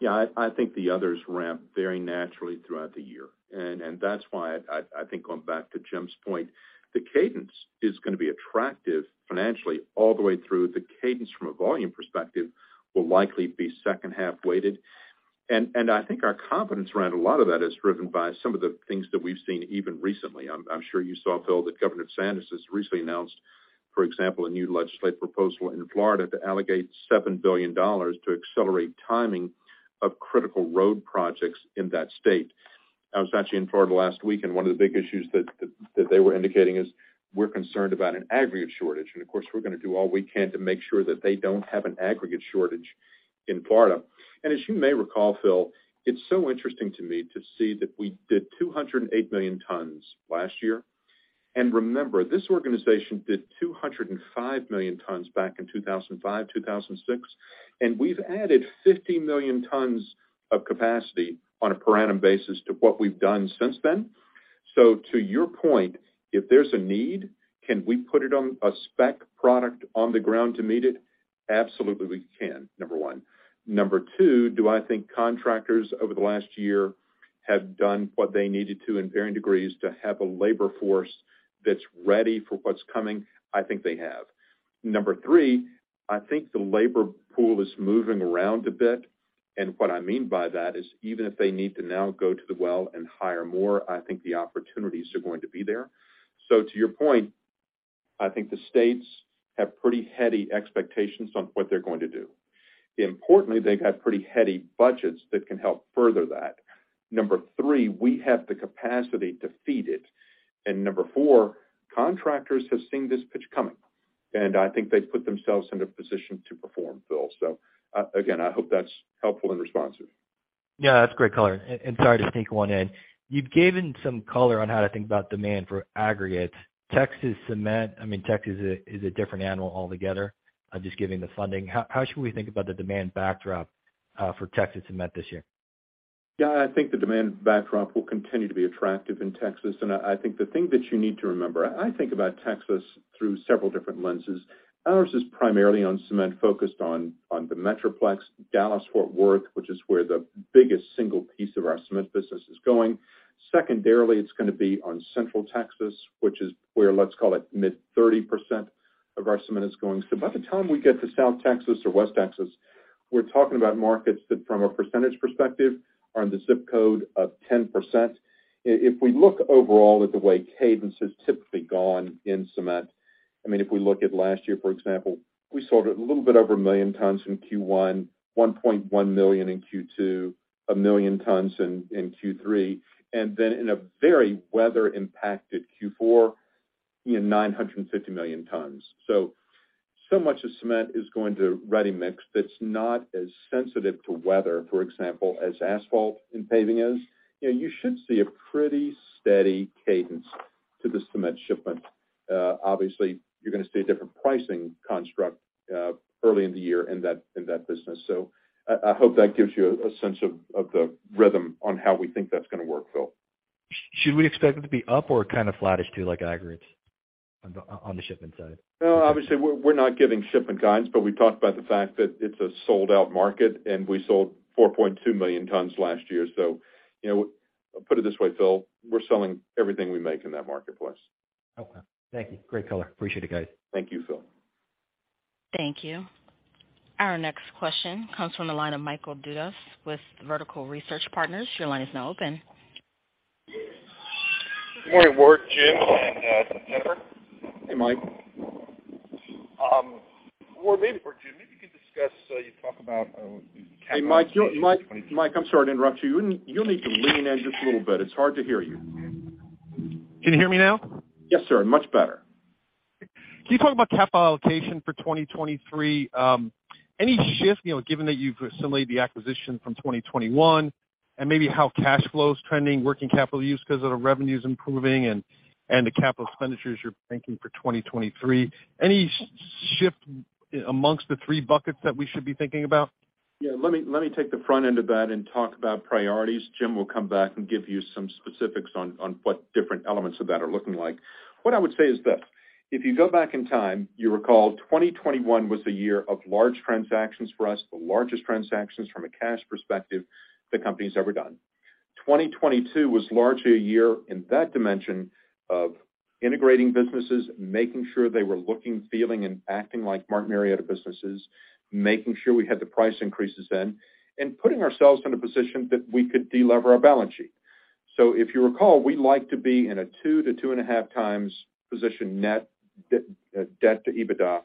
Yeah. I think the others ramp very naturally throughout the year. That's why I think going back to Jim's point, the cadence is gonna be attractive financially all the way through. The cadence from a volume perspective will likely be second half weighted. I think our confidence around a lot of that is driven by some of the things that we've seen even recently. I'm sure you saw, Phil, that Governor DeSantis has recently announced, for example, a new legislative proposal in Florida to allocate $7 billion to accelerate timing of critical road projects in that state. I was actually in Florida last week, and one of the big issues that they were indicating is we're concerned about an aggregate shortage. Of course, we're gonna do all we can to make sure that they don't have an aggregate shortage in Florida. As you may recall, Phil, it's so interesting to me to see that we did 208 million tons last year. Remember, this organization did 205 million tons back in 2005, 2006. We've added 50 million tons of capacity on a per annum basis to what we've done since then. To your point, if there's a need, can we put it on a spec product on the ground to meet it? Absolutely, we can, number one. Number two, do I think contractors over the last year have done what they needed to in varying degrees to have a labor force that's ready for what's coming? I think they have. Number three, I think the labor pool is moving around a bit. What I mean by that is, even if they need to now go to the well and hire more, I think the opportunities are going to be there. To your point, I think the states have pretty heady expectations on what they're going to do. Importantly, they've had pretty heady budgets that can help further that. Number three, we have the capacity to feed it. Number four, contractors have seen this pitch coming, and I think they've put themselves in a position to perform, Phil. Again, I hope that's helpful and responsive. Yeah, that's great color. Sorry to sneak one in. You've given some color on how to think about demand for aggregates. Texas cement, I mean, Texas is a different animal altogether, just giving the funding. How should we think about the demand backdrop for Texas cement this year? Yeah, I think the demand backdrop will continue to be attractive in Texas, and I think the thing that you need to remember, I think about Texas through several different lenses. Ours is primarily on cement focused on the Metroplex, Dallas-Fort Worth, which is where the biggest single piece of our cement business is going. Secondarily, it's gonna be on Central Texas, which is where, let's call it, mid 30% of our cement is going. By the time we get to South Texas or West Texas, we're talking about markets that from a percentage perspective are in the ZIP code of 10%. If we look overall at the way cadence has typically gone in cement, I mean, if we look at last year, for example, we sold a little bit over 1 million tons in Q1, 1.1 million in Q2, 1 million tons in Q3, and then in a very weather impacted Q4, you know, 950 million tons. Much of cement is going to ready mix that's not as sensitive to weather, for example, as asphalt and paving is. You know, you should see a pretty steady cadence to the cement shipment. Obviously you're gonna see a different pricing construct early in the year in that business. I hope that gives you a sense of the rhythm on how we think that's gonna work, Phil. Should we expect it to be up or kind of flattish too, like aggregates on the shipment side? Obviously we're not giving shipment guides. We talked about the fact that it's a sold out market and we sold 4.2 million tons last year. You know, put it this way, Phil, we're selling everything we make in that marketplace. Okay. Thank you. Great color. Appreciate it, guys. Thank you, Phil. Thank you. Our next question comes from the line of Michael Dudas with Vertical Research Partners. Your line is now open. Good morning, Ward, Jim, and Jennifer. Hey, Mike. for Jim, maybe you talk about capital allocation for twenty twenty- Hey, Mike. Mike, I'm sorry to interrupt you. You'll need to lean in just a little bit. It's hard to hear you. Can you hear me now? Yes, sir. Much better. Can you talk about capital allocation for 2023, any shift, you know, given that you've assimilated the acquisition from 2021 and maybe how cash flow is trending, working capital use 'cause of the revenues improving and the capital expenditures you're thinking for 2023, any shift amongst the three buckets that we should be thinking about? Yeah, let me take the front end of that and talk about priorities. Jim will come back and give you some specifics on what different elements of that are looking like. What I would say is this, if you go back in time, you recall 2021 was the year of large transactions for us, the largest transactions from a cash perspective the company's ever done. 2022 was largely a year in that dimension of integrating businesses, making sure they were looking, feeling, and acting like Martin Marietta businesses, making sure we had the price increases in, and putting ourselves in a position that we could de-lever our balance sheet. If you recall, we like to be in a 22.5 times position net debt to EBITDA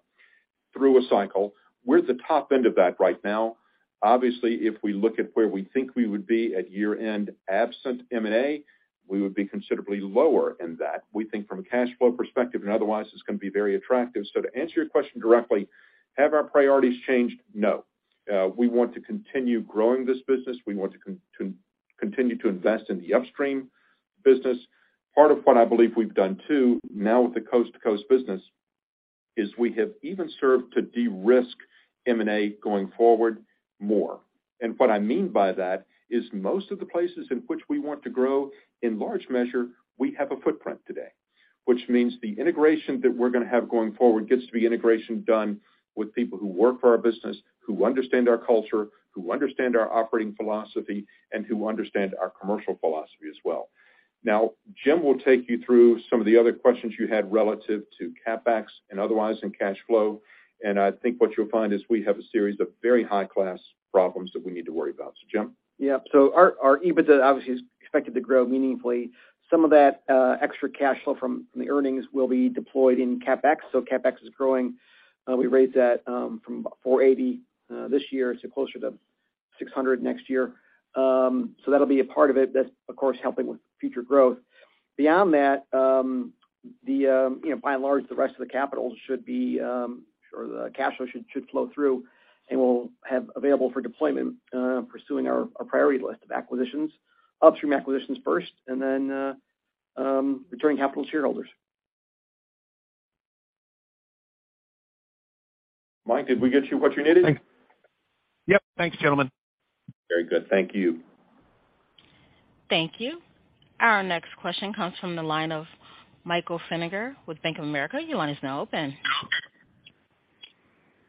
through a cycle. We're at the top end of that right now. Obviously, if we look at where we think we would be at year-end absent M&A, we would be considerably lower in that. We think from a cash flow perspective and otherwise, it's gonna be very attractive. To answer your question directly, have our priorities changed? No. We want to continue growing this business. We want to continue to invest in the upstream business. Part of what I believe we've done, too, now with the coast-to-coast business, is we have even served to de-risk M&A going forward more. What I mean by that is most of the places in which we want to grow, in large measure, we have a footprint today, which means the integration that we're gonna have going forward gets to be integration done with people who work for our business, who understand our culture, who understand our operating philosophy, and who understand our commercial philosophy as well. Jim will take you through some of the other questions you had relative to CapEx and otherwise in cash flow. I think what you'll find is we have a series of very high-class problems that we need to worry about. Jim? Our EBITDA obviously is expected to grow meaningfully. Some of that extra cash flow from the earnings will be deployed in CapEx. CapEx is growing. We raised that from $480 million this year to closer to $600 million next year. So that'll be a part of it. That's, of course, helping with future growth. Beyond that, you know, by and large, the rest of the capital should be or the cash flow should flow through and we'll have available for deployment pursuing our priority list of acquisitions, upstream acquisitions first, and then returning capital to shareholders. Mike, did we get you what you needed? Yep. Thanks, gentlemen. Very good. Thank you. Thank you. Our next question comes from the line of Michael Feniger with Bank of America. Your line is now open.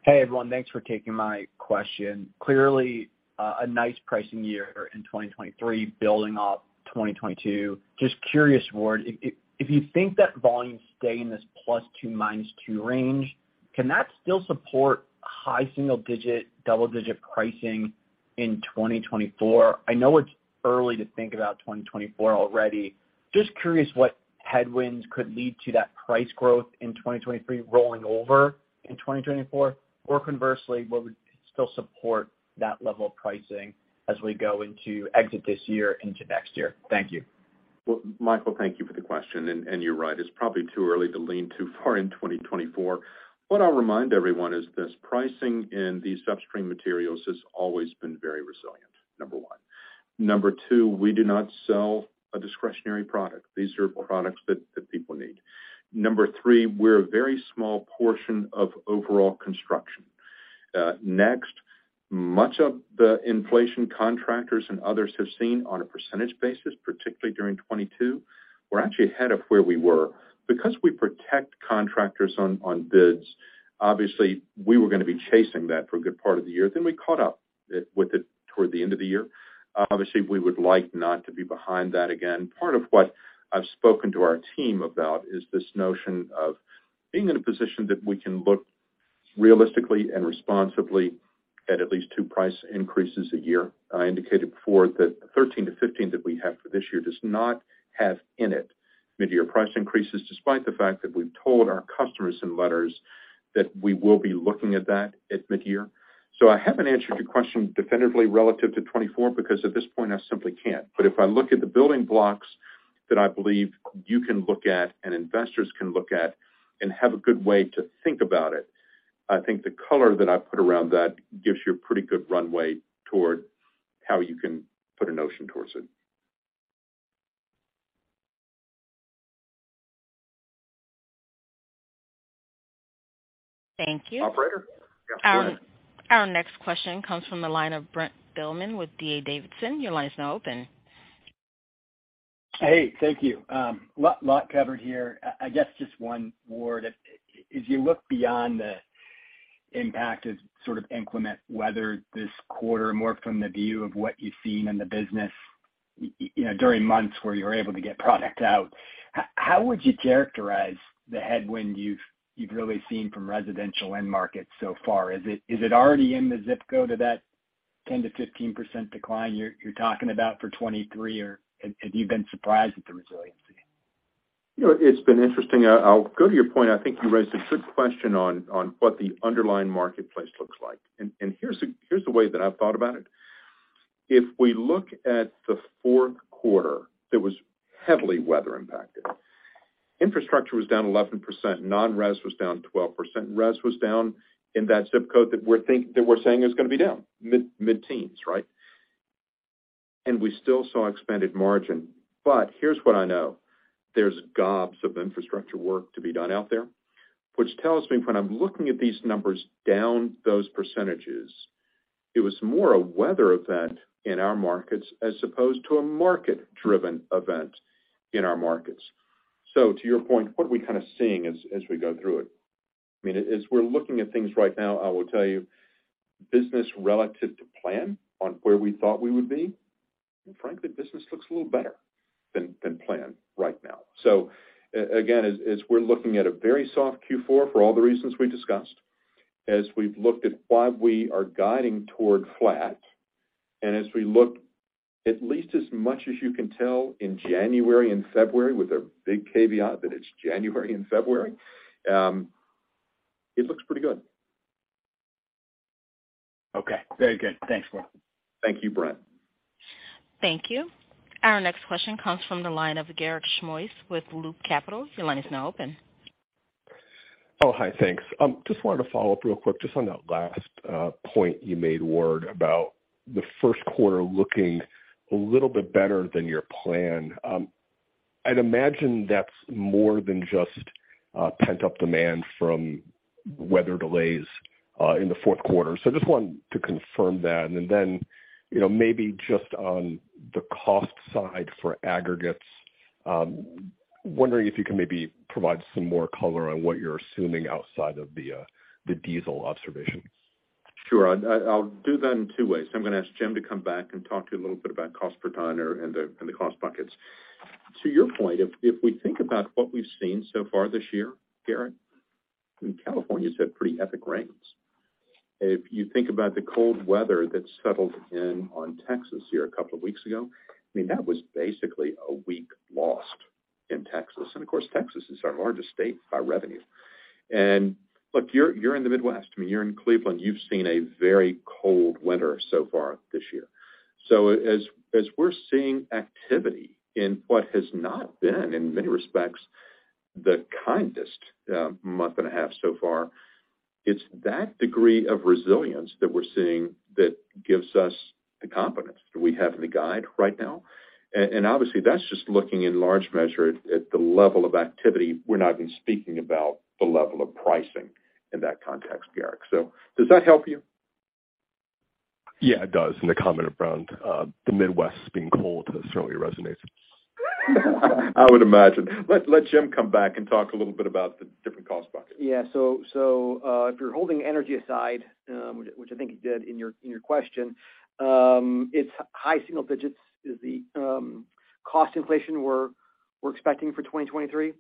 Hey, everyone. Thanks for taking my question. Clearly, a nice pricing year in 2023 building off 2022. Just curious, Ward, if you think that volume stay in this +2% to -2% range, can that still support high single-digit, double-digit pricing in 2024? I know it's early to think about 2024 already. Just curious what headwinds could lead to that price growth in 2023 rolling over in 2024? Conversely, what would still support that level of pricing as we go into exit this year into next year? Thank you. Well, Michael, thank you for the question. You're right. It's probably too early to lean too far in 2024. What I'll remind everyone is this pricing in these upstream materials has always been very resilient, number one. Number two, we do not sell a discretionary product. These are products that people need. Number three, we're a very small portion of overall construction. Next, much of the inflation contractors and others have seen on a percentage basis, particularly during 2022, we're actually ahead of where we were. We protect contractors on bids, obviously, we were gonna be chasing that for a good part of the year, then we caught up with it toward the end of the year. Obviously, we would like not to be behind that again. Part of what I've spoken to our team about is this notion of being in a position that we can look realistically and responsibly at least two price increases a year. I indicated before that 13 15 that we have for this year does not have in it midyear price increases, despite the fact that we've told our customers in letters that we will be looking at that at midyear. I haven't answered your question definitively relative to 2024 because at this point, I simply can't. If I look at the building blocks that I believe you can look at and investors can look at and have a good way to think about it, I think the color that I've put around that gives you a pretty good runway toward how you can put a notion towards it. Thank you. Operator? Our next question comes from the line of Brent Thielman with D.A. Davidson. Your line is now open. Hey, thank you. lot covered here. I guess just one more. That as you look beyond the impact of sort of inclement weather this quarter, more from the view of what you've seen in the business, you know, during months where you're able to get product out, how would you characterize the headwind you've really seen from residential end markets so far? Is it already in the ZIP Code of that 10%-15% decline you're talking about for 23, or have you been surprised at the resiliency? You know, it's been interesting. I'll go to your point. I think you raised a good question on what the underlying marketplace looks like. Here's the way that I've thought about it. If we look at the fourth quarter that was heavily weather impacted, infrastructure was down 11%, non-res was down 12%, res was down in that ZIP Code that we're saying is gonna be down, mid-teens, right? We still saw expanded margin. Here's what I know. There's gobs of infrastructure work to be done out there, which tells me when I'm looking at these numbers down those percentages, it was more a weather event in our markets as opposed to a market-driven event in our markets. To your point, what are we kind of seeing as we go through it? I mean, as we're looking at things right now, I will tell you, business relative to plan on where we thought we would be, and frankly, business looks a little better than planned right now. Again, as we're looking at a very soft Q4 for all the reasons we discussed, as we've looked at why we are guiding toward flat, and as we look at least as much as you can tell in January and February with a big caveat that it's January and February, it looks pretty good. Okay. Very good. Thanks, Ward. Thank you, Brent. Thank you. Our next question comes from the line of Garik Shmois with Loop Capital. Your line is now open. Oh, hi. Thanks. Just wanted to follow up real quick, just on that last point you made, Ward, about the first quarter looking a little bit better than your plan. I'd imagine that's more than just pent-up demand from weather delays in the fourth quarter. I just wanted to confirm that. You know, maybe just on the cost side for aggregates, wondering if you can maybe provide some more color on what you're assuming outside of the the diesel observations. Sure. I'll do that in two ways. I'm gonna ask Jim to come back and talk to you a little bit about cost per ton and the cost buckets. To your point, if we think about what we've seen so far this year, Garik, I mean, California's had pretty epic rains. If you think about the cold weather that settled in on Texas here a couple of weeks ago, I mean, that was basically a week lost in Texas. Of course, Texas is our largest state by revenue. Look, you're in the Midwest, I mean, you're in Cleveland, you've seen a very cold winter so far this year. As we're seeing activity in what has not been, in many respects, the kindest month and a half so far, it's that degree of resilience that we're seeing that gives us the confidence that we have in the guide right now. And obviously, that's just looking in large measure at the level of activity. We're not even speaking about the level of pricing in that context, Garik. Does that help you? Yeah, it does. The comment around the Midwest being cold certainly resonates. I would imagine. Let Jim come back and talk a little bit about the different cost buckets. If you're holding energy aside, which I think you did in your question, it's high single digits is the cost inflation we're expecting for 2023.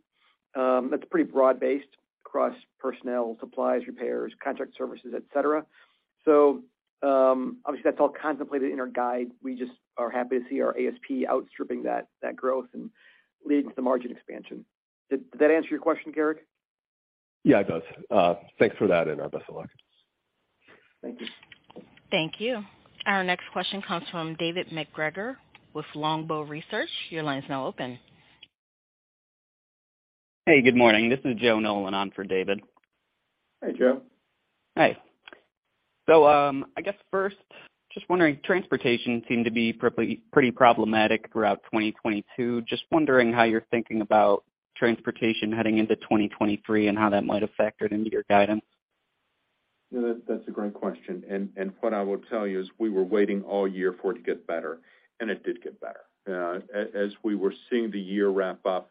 That's pretty broad-based across personnel, supplies, repairs, contract services, et cetera. Obviously, that's all contemplated in our guide. We just are happy to see our ASP outstripping that growth and leading to the margin expansion. Did that answer your question, Garik? Yeah, it does. Thanks for that and our best luck. Thank you. Thank you. Our next question comes from David MacGregor with Longbow Research. Your line is now open. Hey, good morning. This is Joe Nolan on for David. Hey, Joe. Hi. I guess first, just wondering, transportation seemed to be pretty problematic throughout 2022. Just wondering how you're thinking about transportation heading into 2023 and how that might have factored into your guidance. Yeah, that's a great question. What I will tell you is we were waiting all year for it to get better, and it did get better. As we were seeing the year wrap up,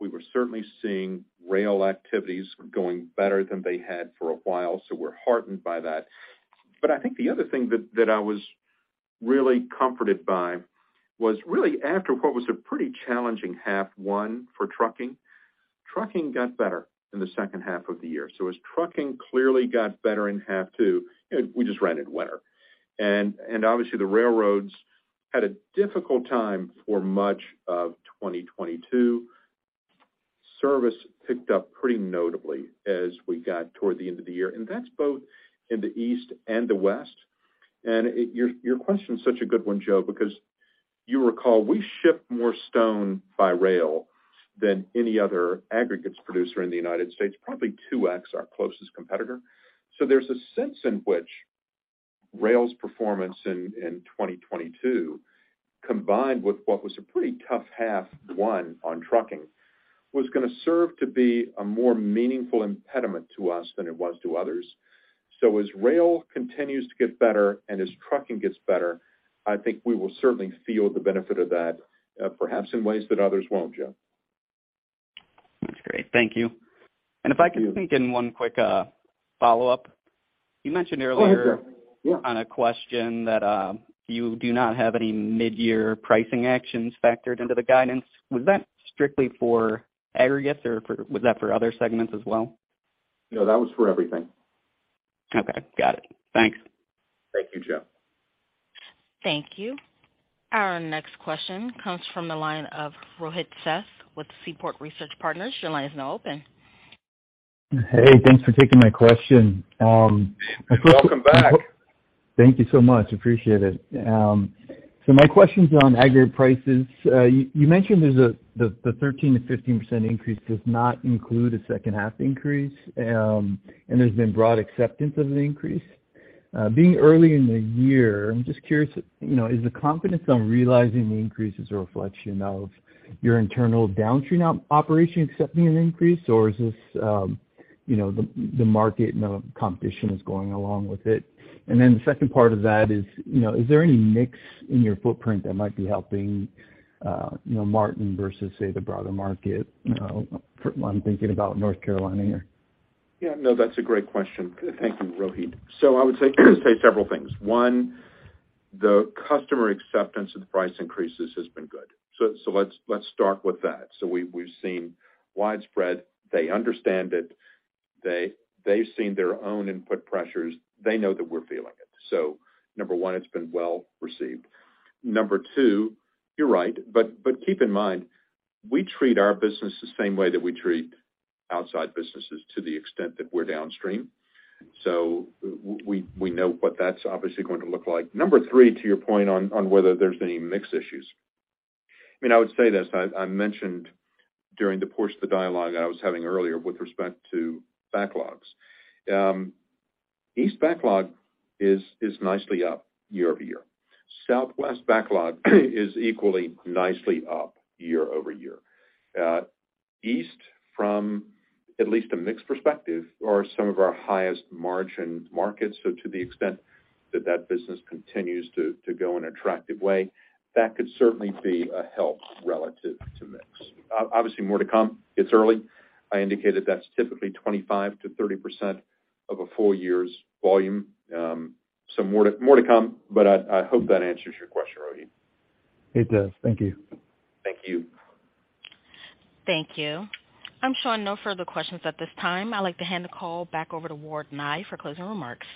we were certainly seeing rail activities going better than they had for a while, so we're heartened by that. I think the other thing that I was really comforted by was really after what was a pretty challenging half 1 for trucking got better in the second half of the year. As trucking clearly got better in half 2, and we just ran into winter, and obviously the railroads had a difficult time for much of 2022. Service picked up pretty notably as we got toward the end of the year, and that's both in the East and the West. Your question is such a good one, Joe, because you recall, we ship more stone by rail than any other aggregates producer in the United States, probably 2x our closest competitor. There's a sense in which rail's performance in 2022, combined with what was a pretty tough half 1 on trucking, was gonna serve to be a more meaningful impediment to us than it was to others. As rail continues to get better and as trucking gets better, I think we will certainly feel the benefit of that, perhaps in ways that others won't, Joe. That's great. Thank you. If I could sneak in 1 quick, follow-up. Go ahead, Joe. Yeah. You mentioned earlier on a question that you do not have any mid-year pricing actions factored into the guidance. Was that strictly for aggregates, or was that for other segments as well? No, that was for everything. Okay, got it. Thanks. Thank you, Joe. Thank you. Our next question comes from the line of Rohit Seth with Seaport Research Partners. Your line is now open. Hey, thanks for taking my question. Welcome back. Thank you so much. Appreciate it. My question's on aggregate prices. You mentioned there's the 13%-15% increase does not include a second half increase. There's been broad acceptance of the increase. Being early in the year, I'm just curious, you know, is the confidence on realizing the increase a reflection of your internal downstream operation accepting an increase, or is this, you know, the market and the competition is going along with it? The second part of that is, you know, is there any mix in your footprint that might be helping, you know, Martin versus, say, the broader market? You know, I'm thinking about North Carolina here. Yeah, no, that's a great question. Thank you, Rohit. I would say several things. One, the customer acceptance of the price increases has been good. Let's start with that. We've seen widespread. They understand it. They've seen their own input pressures. They know that we're feeling it. Number one, it's been well received. Number two, you're right, but keep in mind, we treat our business the same way that we treat outside businesses to the extent that we're downstream. We know what that's obviously going to look like. Number three, to your point on whether there's any mix issues. I mean, I would say this. I mentioned during the course of the dialogue I was having earlier with respect to backlogs. East backlog is nicely up year-over-year. Southwest backlog is equally nicely up year-over-year. East from at least a mix perspective are some of our highest margin markets. To the extent that that business continues to go in an attractive way, that could certainly be a help relative to mix. Obviously, more to come. It's early. I indicated that's typically 25%-30% of a full year's volume. More to come, but I hope that answers your question, Rohit. It does. Thank you. Thank you. Thank you. I'm showing no further questions at this time. I'd like to hand the call back over to Ward Nye for closing remarks.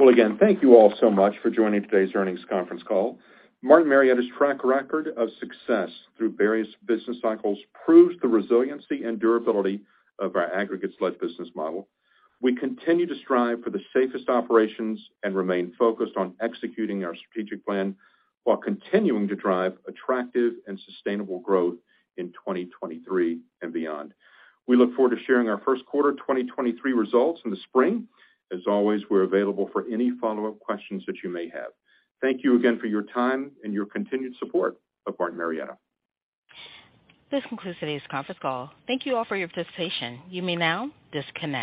Well, again, thank you all so much for joining today's earnings conference call. Martin Marietta's track record of success through various business cycles proves the resiliency and durability of our aggregates-led business model. We continue to strive for the safest operations and remain focused on executing our strategic plan while continuing to drive attractive and sustainable growth in 2023 and beyond. We look forward to sharing our first quarter 2023 results in the spring. As always, we're available for any follow-up questions that you may have. Thank you again for your time and your continued support of Martin Marietta. This concludes today's conference call. Thank you all for your participation. You may now disconnect.